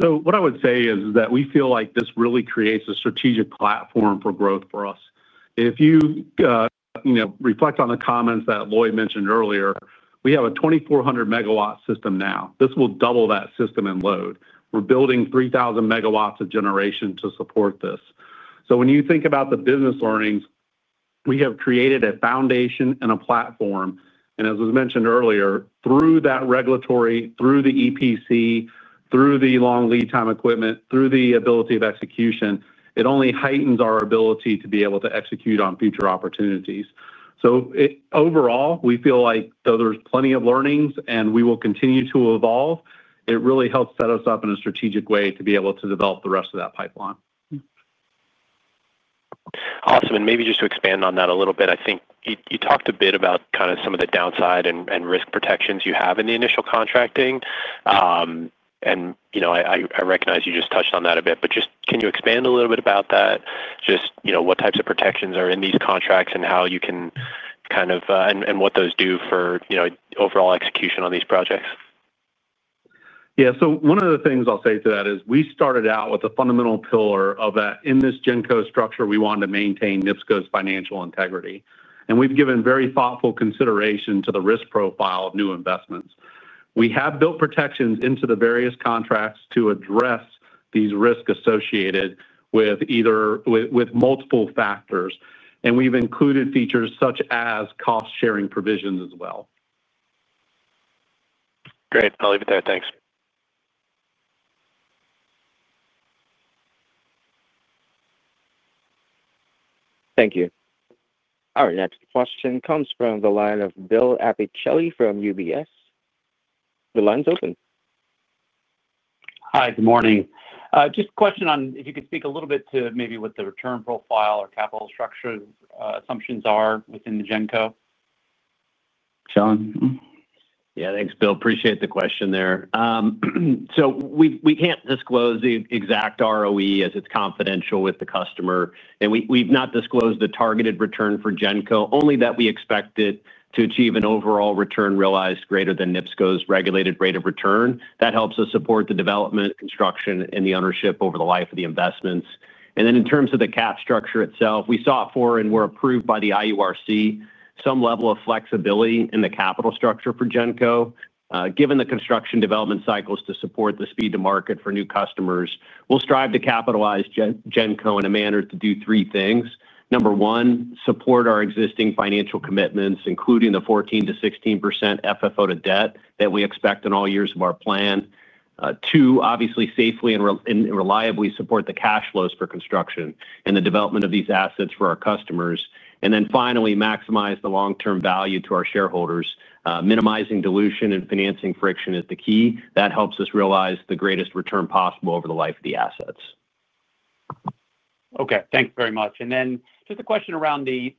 What I would say is that we feel like this really creates a strategic platform for growth for us. If you reflect on the comments that Lloyd mentioned earlier, we have a 2,400 MW system now. This will double that system in load. We're building 3,000 MW of generation to support this. When you think about the business learnings, we have created a foundation and a platform. As was mentioned earlier, through that regulatory, through the EPC, through the long lead time equipment, through the ability of execution, it only heightens our ability to be able to execute on future opportunities. Overall, we feel like though there's plenty of learnings and we will continue to evolve, it really helps set us up in a strategic way to be able to develop the rest of that pipeline. Awesome. Maybe just to expand on that a little bit, I think you talked a bit about some of the downside and risk protections you have in the initial contracting. I recognize you just touched on that a bit, but can you expand a little bit about that? What types of protections are in these contracts and how you can kind of, and what those do for overall execution on these projects? Yeah, one of the things I'll say to that is we started out with a fundamental pillar of that in this Genco structure. We wanted to maintain NIPSCO's financial integrity. We've given very thoughtful consideration to the risk profile of new investments. We have built protections into the various contracts to address these risks associated with multiple factors. We've included features such as cost-sharing provisions as well. Great. I'll leave it there. Thanks. Thank you. Our next question comes from the line of Bill Appicelli from UBS. The line's open. Hi, good morning. Just a question on if you could speak a little bit to maybe what the return profile or capital structure assumptions are within the Genco. Shawn? Yeah, thanks, Bill. Appreciate the question there. We can't disclose the exact ROE as it's confidential with the customer. We've not disclosed the targeted return for Genco, only that we expect it to achieve an overall return realized greater than NIPSCO's regulated rate of return. That helps us support the development, construction, and the ownership over the life of the investments. In terms of the cap structure itself, we saw it for and were approved by the IURC, some level of flexibility in the capital structure for Genco. Given the construction development cycles to support the speed to market for new customers, we'll strive to capitalize Genco in a manner to do three things. Number one, support our existing financial commitments, including the 14%-16% FFO to debt that we expect in all years of our plan. Two, obviously safely and reliably support the cash flows for construction and the development of these assets for our customers. Finally, maximize the long-term value to our shareholders. Minimizing dilution and financing friction is the key. That helps us realize the greatest return possible over the life of the assets. Okay, thanks very much. Just a question around the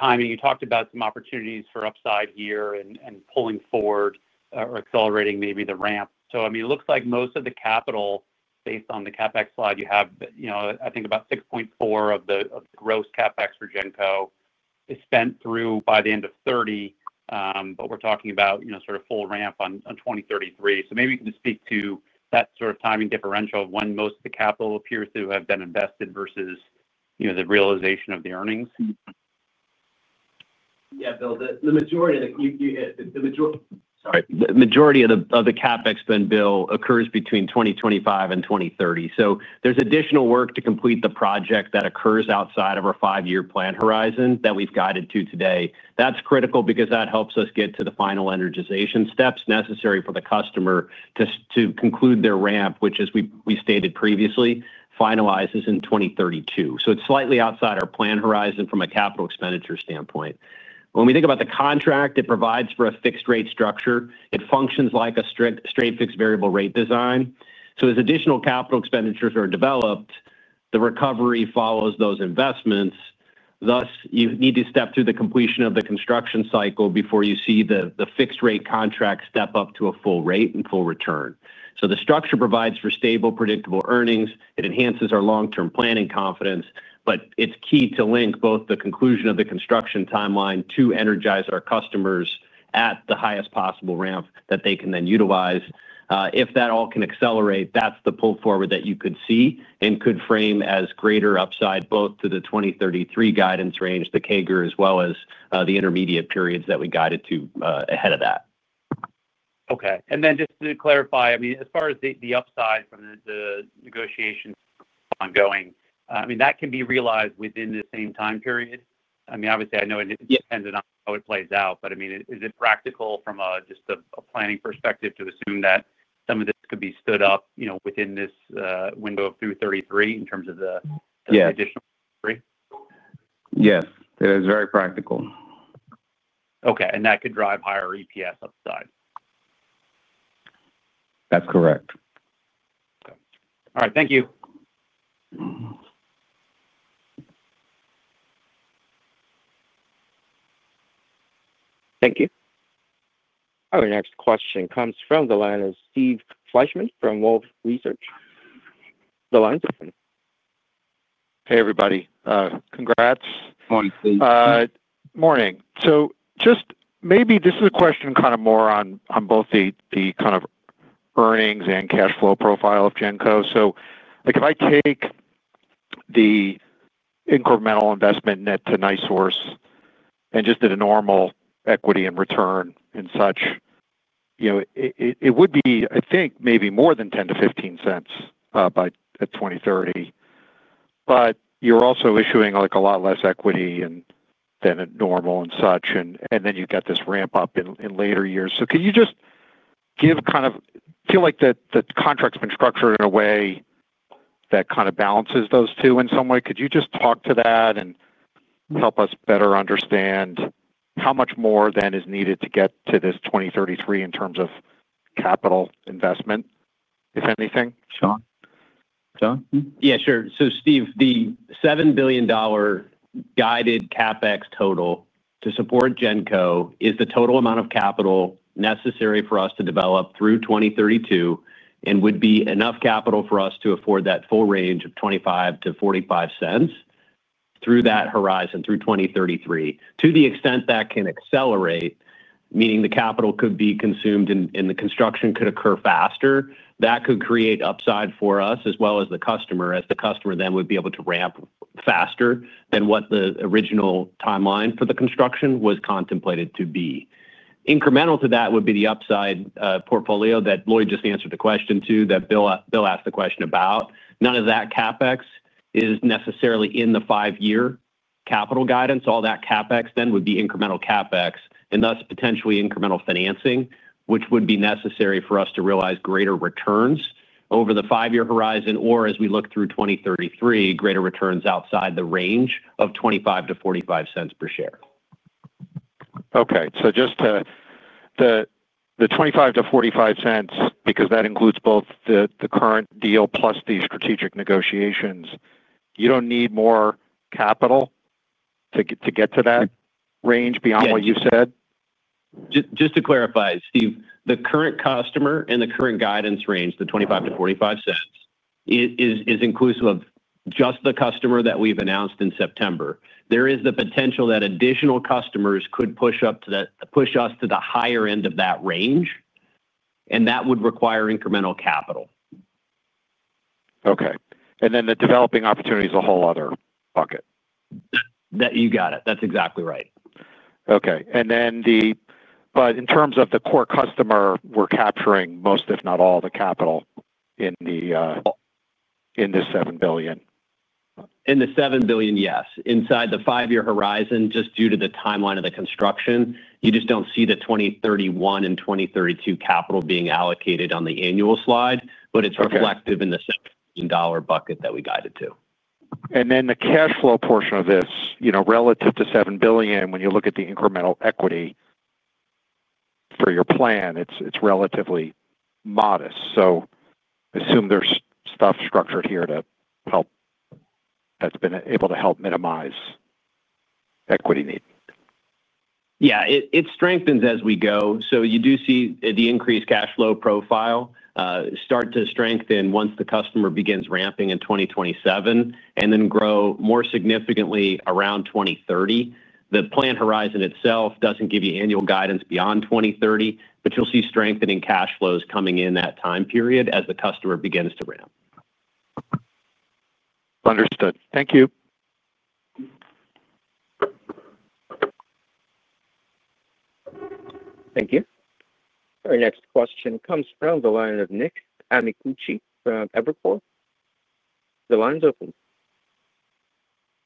timing. You talked about some opportunities for upside here and pulling forward or accelerating maybe the ramp. It looks like most of the capital based on the CapEx slide you have, I think about 6.4% of the gross CapEx for Genco is spent through by the end of 2030, but we're talking about sort of full ramp on 2033. Maybe you can speak to that sort of timing differential of when most of the capital appears to have been invested versus the realization of the earnings. Yeah, Bill, the majority of the CapEx spend, Bill, occurs between 2025 and 2030. There's additional work to complete the project that occurs outside of our five-year plan horizon that we've guided to today. That's critical because that helps us get to the final energization steps necessary for the customer to conclude their ramp, which, as we stated previously, finalizes in 2032. It's slightly outside our plan horizon from a capital expenditure standpoint. When we think about the contract, it provides for a fixed-rate structure. It functions like a straight fixed variable rate design. As additional capital expenditures are developed, the recovery follows those investments. You need to step through the completion of the construction cycle before you see the fixed-rate contract step up to a full rate and full return. The structure provides for stable, predictable earnings. It enhances our long-term planning confidence, but it's key to link both the conclusion of the construction timeline to energize our customers at the highest possible ramp that they can then utilize. If that all can accelerate, that's the pull forward that you could see and could frame as greater upside both to the 2033 guidance range, the CAGR, as well as the intermediate periods that we guided to ahead of that. Okay. Just to clarify, as far as the upside from the negotiations ongoing, that can be realized within the same time period. Obviously, I know it's dependent on how it plays out, but is it practical from just a planning perspective to assume that some of this could be stood up within this window of through 2033 in terms of the additional? Yes, it is very practical. Okay. That could drive higher EPS upside? That's correct. Okay. All right. Thank you. Thank you. Our next question comes from the line of Steve Fleishman from Wolfe Research. The line's open. Hey, everybody. Congrats. Morning, Steve. Morning. Maybe this is a question kind of more on both the kind of earnings and cash flow profile of Genco. If I take the incremental investment net to NiSource and just did a normal equity and return and such, you know, it would be, I think, maybe more than $0.10-$0.15 by 2030. You're also issuing a lot less equity than normal and such. You've got this ramp up in later years. Could you just give kind of feel like the contract's been structured in a way that balances those two in some way? Could you just talk to that and help us better understand how much more then is needed to get to this 2033 in terms of capital investment, if anything? Shawn? Yeah, sure. Steve, the $7 billion guided CapEx total to support Genco is the total amount of capital necessary for us to develop through 2032 and would be enough capital for us to afford that full range of $0.25-$0.45 through that horizon, through 2033. To the extent that can accelerate, meaning the capital could be consumed and the construction could occur faster, that could create upside for us as well as the customer, as the customer then would be able to ramp faster than what the original timeline for the construction was contemplated to be. Incremental to that would be the upside portfolio that Lloyd just answered the question to that Bill asked the question about. None of that CapEx is necessarily in the five-year capital guidance. All that CapEx then would be incremental CapEx and thus potentially incremental financing, which would be necessary for us to realize greater returns over the five-year horizon or as we look through 2033, greater returns outside the range of $0.25-$0.45 per share. Okay. Just the $0.25-$0.45, because that includes both the current deal plus the strategic negotiations, you don't need more capital to get to that range beyond what you said? Just to clarify, Steve, the current customer and the current guidance range, the $0.25-$0.45, is inclusive of just the customer that we've announced in September. There is the potential that additional customers could push us to the higher end of that range, and that would require incremental capital. Okay, the developing opportunity is a whole other bucket. You got it. That's exactly right. In terms of the core customer, we're capturing most, if not all, the capital in this $7 billion. In the $7 billion, yes. Inside the five-year horizon, just due to the timeline of the construction, you just don't see the 2031 and 2032 capital being allocated on the annual slide, but it's reflective in the $7 billion bucket that we guided to. The cash flow portion of this, you know, relative to $7 billion, when you look at the incremental equity for your plan, it's relatively modest. I assume there's stuff structured here to help that's been able to help minimize equity need. Yeah, it strengthens as we go. You do see the increased cash flow profile start to strengthen once the customer begins ramping in 2027 and then grow more significantly around 2030. The plan horizon itself doesn't give you annual guidance beyond 2030, but you'll see strengthening cash flows coming in that time period as the customer begins to ramp. Understood. Thank you. Thank you. Our next question comes from the line of Nick Amicucci from Evercore. The line's open.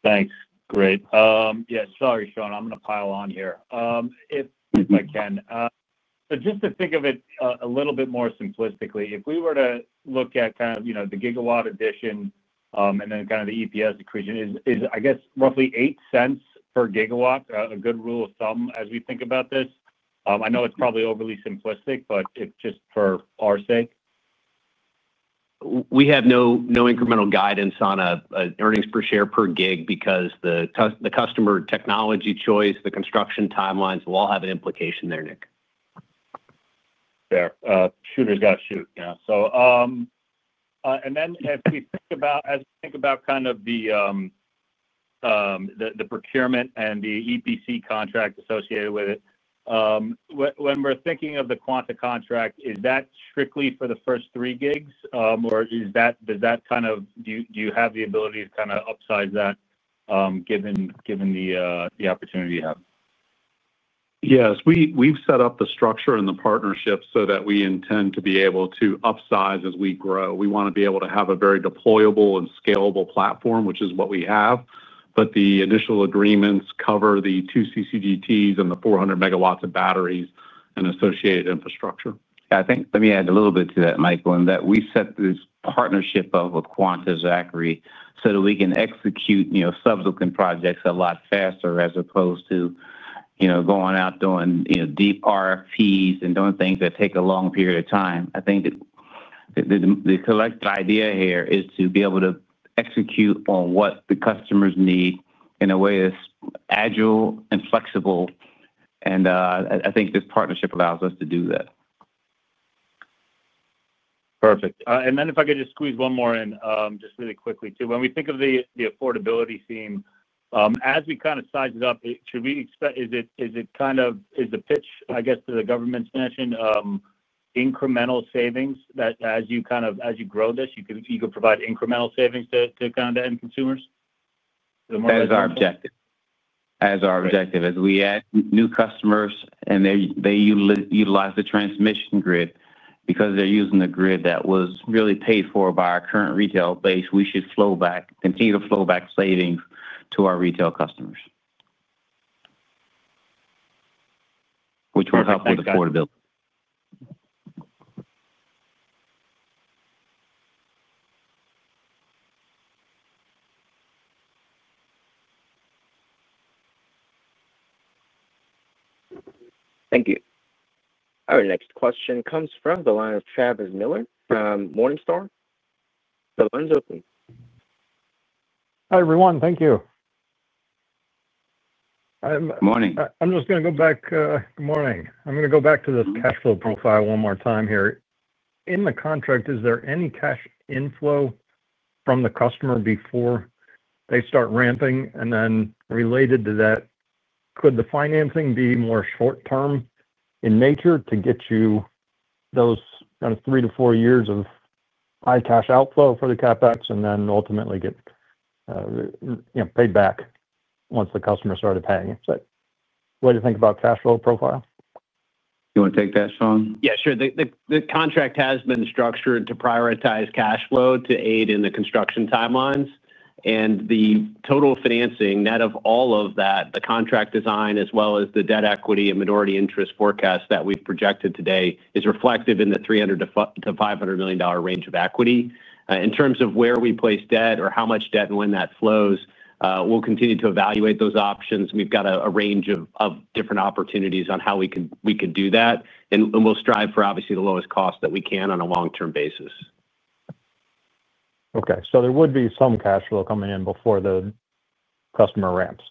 Thanks. Yeah, sorry, Shawn. I'm going to pile on here if I can. Just to think of it a little bit more simplistically, if we were to look at, you know, the gigawatt addition and then the EPS accretion, is, I guess, roughly $0.08 per GW a good rule of thumb as we think about this? I know it's probably overly simplistic, but just for our sake. We have no incremental guidance on earnings per share per gig because the customer technology choice, the construction timelines will all have an implication there, Nick. Fair. Shooters got to shoot now. As we think about the procurement and the EPC contract associated with it, when we're thinking of the quantum contract, is that strictly for the first three gigs, or do you have the ability to upsize that given the opportunity you have? Yes, we've set up the structure and the partnership so that we intend to be able to upsize as we grow. We want to be able to have a very deployable and scalable platform, which is what we have. The initial agreements cover the two combined cycle gas turbine power plants and the 400 MW of battery storage and associated infrastructure. Yeah, I think let me add a little bit to that, Michael, in that we set this partnership up with Zachry so that we can execute subsequent projects a lot faster as opposed to, you know, going out doing, you know, deep RFPs and doing things that take a long period of time. I think the collective idea here is to be able to execute on what the customers need in a way that's agile and flexible. I think this partnership allows us to do that. Perfect. If I could just squeeze one more in really quickly too. When we think of the affordability theme, as we kind of size it up, should we expect, is it kind of, is the pitch, I guess, to the government's mission incremental savings that as you kind of, as you grow this, you could provide incremental savings to end consumers? That is our objective. As we add new customers and they utilize the transmission grid because they're using the grid that was really paid for by our current retail base, we should flow back, continue to flow back savings to our retail customers, which will help with affordability. Thank you. Our next question comes from the line of Travis Miller from Morningstar. The line's open. Hi, everyone. Thank you. Morning. I'm just going to go back. Good morning. I'm going to go back to this cash flow profile one more time here. In the contract, is there any cash inflow from the customer before they start ramping? Related to that, could the financing be more short-term in nature to get you those kind of three to four years of high cash outflow for the CapEx and then ultimately get, you know, paid back once the customer started paying? Is that the way to think about cash flow profile? You want to take that, Shawn? Yeah, sure. The contract has been structured to prioritize cash flow to aid in the construction timelines. The total financing, net of all of that, the contract design, as well as the debt, equity, and minority interest forecast that we've projected today, is reflective in the $300 million-$500 million range of equity. In terms of where we place debt or how much debt and when that flows, we'll continue to evaluate those options. We've got a range of different opportunities on how we can do that, and we'll strive for, obviously, the lowest cost that we can on a long-term basis. Okay, there would be some cash flow coming in before the customer ramps. Is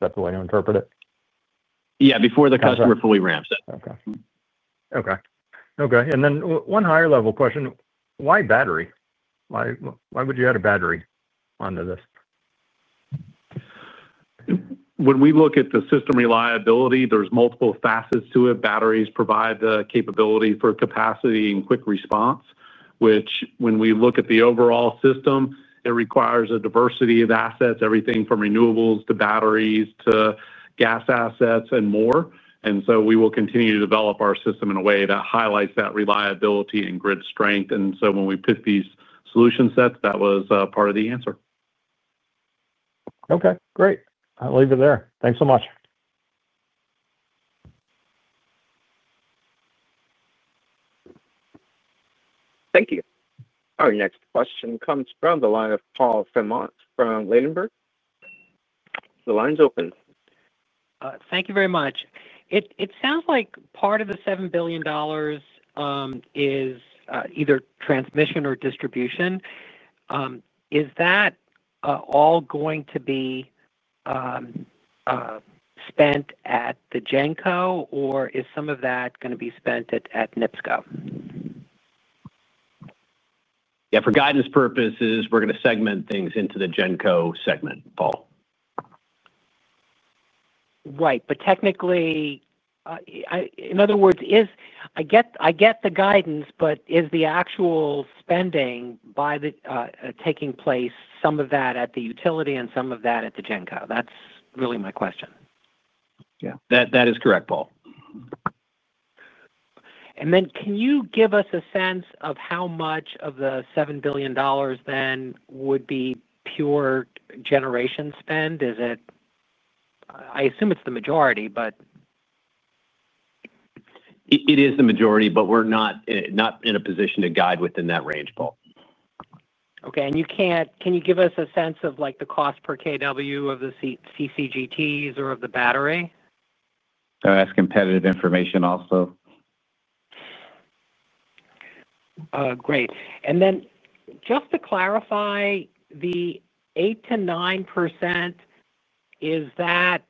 that the way to interpret it? Yeah, before the customer fully ramps. Okay. Okay. And then one higher-level question. Why battery? Why would you add a battery onto this? When we look at the system reliability, there's multiple facets to it. Batteries provide the capability for capacity and quick response, which, when we look at the overall system, requires a diversity of assets, everything from renewables to batteries to gas assets and more. We will continue to develop our system in a way that highlights that reliability and grid strength. When we picked these solution sets, that was part of the answer. Okay, great. I'll leave it there. Thanks so much. Thank you. Our next question comes from the line of Paul Fremont from Ladenburg. The line's open. Thank you very much. It sounds like part of the $7 billion is either transmission or distribution. Is that all going to be spent at the Genco, or is some of that going to be spent at NIPSCO? Yeah, for guidance purposes, we're going to segment things into the Genco segment, Paul. Right. Technically, in other words, I get the guidance, but is the actual spending taking place, some of that at the utility and some of that at the Genco? That's really my question. Yeah, that is correct, Paul. Can you give us a sense of how much of the $7 billion would be pure generation spend? I assume it's the majority. It is the majority, but we're not in a position to guide within that range, Paul. Okay, can you give us a sense of the cost per kW of the combined cycle gas turbine power plants or of the battery? That's competitive information also. Great. Just to clarify, the 8%-9%, is that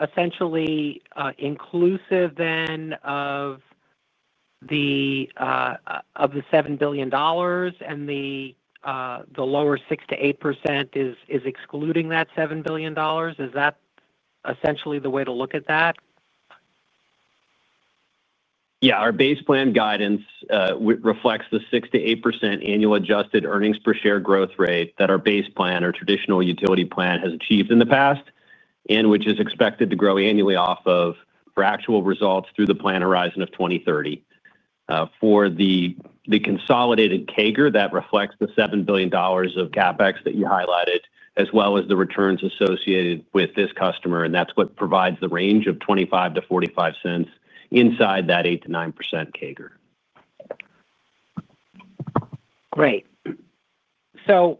essentially inclusive then of the $7 billion and the lower 6%-8% is excluding that $7 billion? Is that essentially the way to look at that? Yeah, our base plan guidance reflects the 6%-8% annual adjusted earnings per share growth rate that our base plan, our traditional utility plan, has achieved in the past and which is expected to grow annually off of for actual results through the plan horizon of 2030. For the consolidated CAGR, that reflects the $7 billion of CapEx that you highlighted, as well as the returns associated with this customer. That's what provides the range of $0.25-$0.45 inside that 8%-9% CAGR. Great. The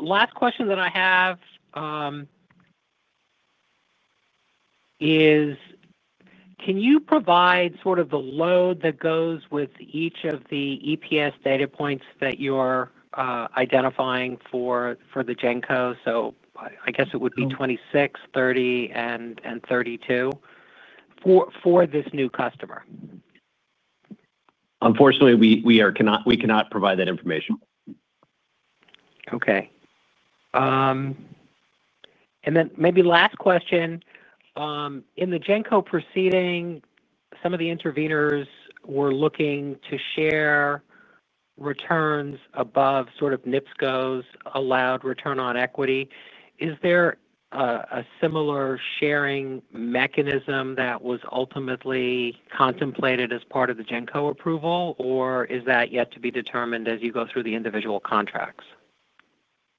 last question that I have is, can you provide sort of the load that goes with each of the EPS data points that you're identifying for the Genco? I guess it would be 26, 30, and 32 for this new customer. Unfortunately, we cannot provide that information. Okay. Maybe last question. In the Genco proceeding, some of the interveners were looking to share returns above sort of NIPSCO's allowed return on equity. Is there a similar sharing mechanism that was ultimately contemplated as part of the Genco approval, or is that yet to be determined as you go through the individual contracts?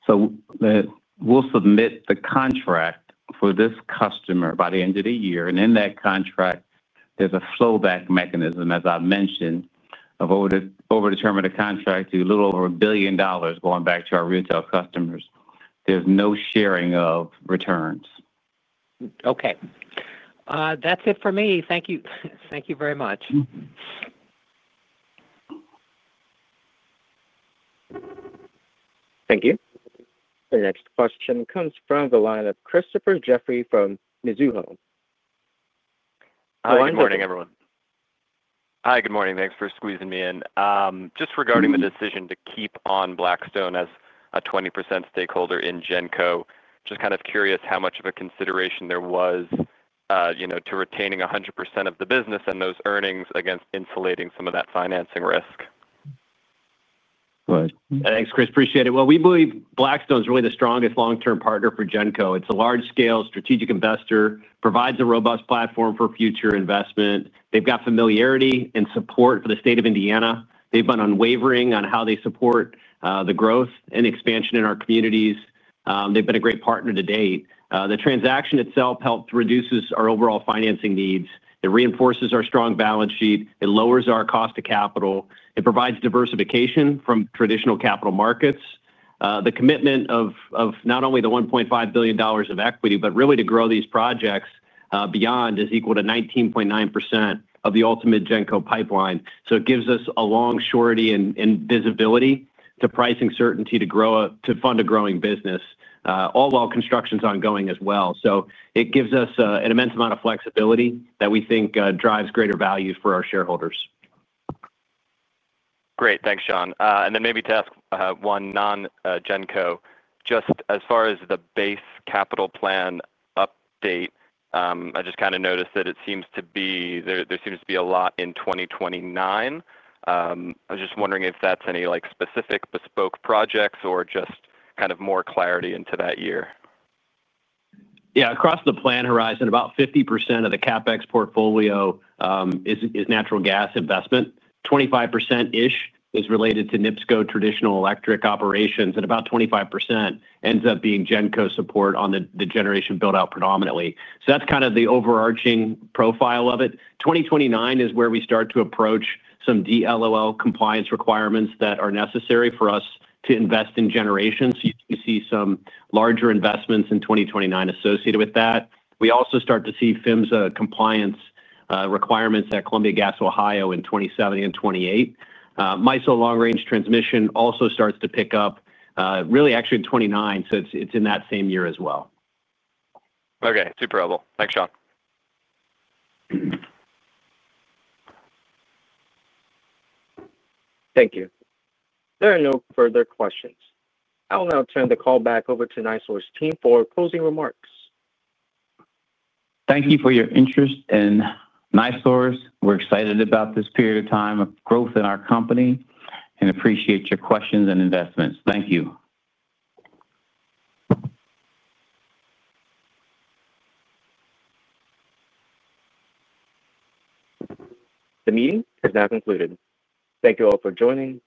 We'll start. The contract for this customer by the end of the year, and in that contract, there's a flowback mechanism, as I mentioned, of over a determined contract to a little over $1 billion going back to our retail customers. There's no sharing of returns. Okay. That's it for me. Thank you. Thank you very much. Thank you. The next question comes from the line of Christopher Jeffrey from Mizuho. Hi, good morning, everyone. Hi, good morning. Thanks for squeezing me in. Just regarding the decision to keep on Blackstone as a 20% stakeholder in Genco, just kind of curious how much of a consideration there was to retaining 100% of the business and those earnings against insulating some of that financing risk. Thanks, Chris. Appreciate it. We believe Blackstone is really the strongest long-term partner for Genco. It's a large-scale strategic investor, provides a robust platform for future investment. They've got familiarity and support for the state of Indiana. They've been unwavering on how they support the growth and expansion in our communities. They've been a great partner to date. The transaction itself helps reduce our overall financing needs. It reinforces our strong balance sheet. It lowers our cost of capital. It provides diversification from traditional capital markets. The commitment of not only the $1.5 billion of equity, but really to grow these projects beyond, is equal to 19.9% of the ultimate Genco pipeline. It gives us a long surety and visibility to pricing certainty to fund a growing business, all while construction is ongoing as well. It gives us an immense amount of flexibility that we think drives greater value for our shareholders. Great. Thanks, Shawn. Maybe to ask one non-Genco, just as far as the base capital plan update, I just kind of noticed that it seems to be there seems to be a lot in 2029. I was just wondering if that's any specific bespoke projects or just kind of more clarity into that year. Yeah, across the plan horizon, about 50% of the CapEx portfolio is natural gas investment. 25% is related to NIPSCO traditional electric operations, and about 25% ends up being Genco support on the generation build-out predominantly. That's kind of the overarching profile of it. 2029 is where we start to approach some DLOL compliance requirements that are necessary for us to invest in generation. You can see some larger investments in 2029 associated with that. We also start to see FMSA compliance requirements at Columbia Gas Ohio in 2027 and 2028. MISO long-range transmission also starts to pick up really actually in 2029. It's in that same year as well. Okay. Super helpful. Thanks, Shawn. Thank you. There are no further questions. I will now turn the call back over to NiSource's team for closing remarks. Thank you for your interest in NiSource. We're excited about this period of time of growth in our company and appreciate your questions and investments. Thank you. The meeting is now concluded. Thank you all for joining.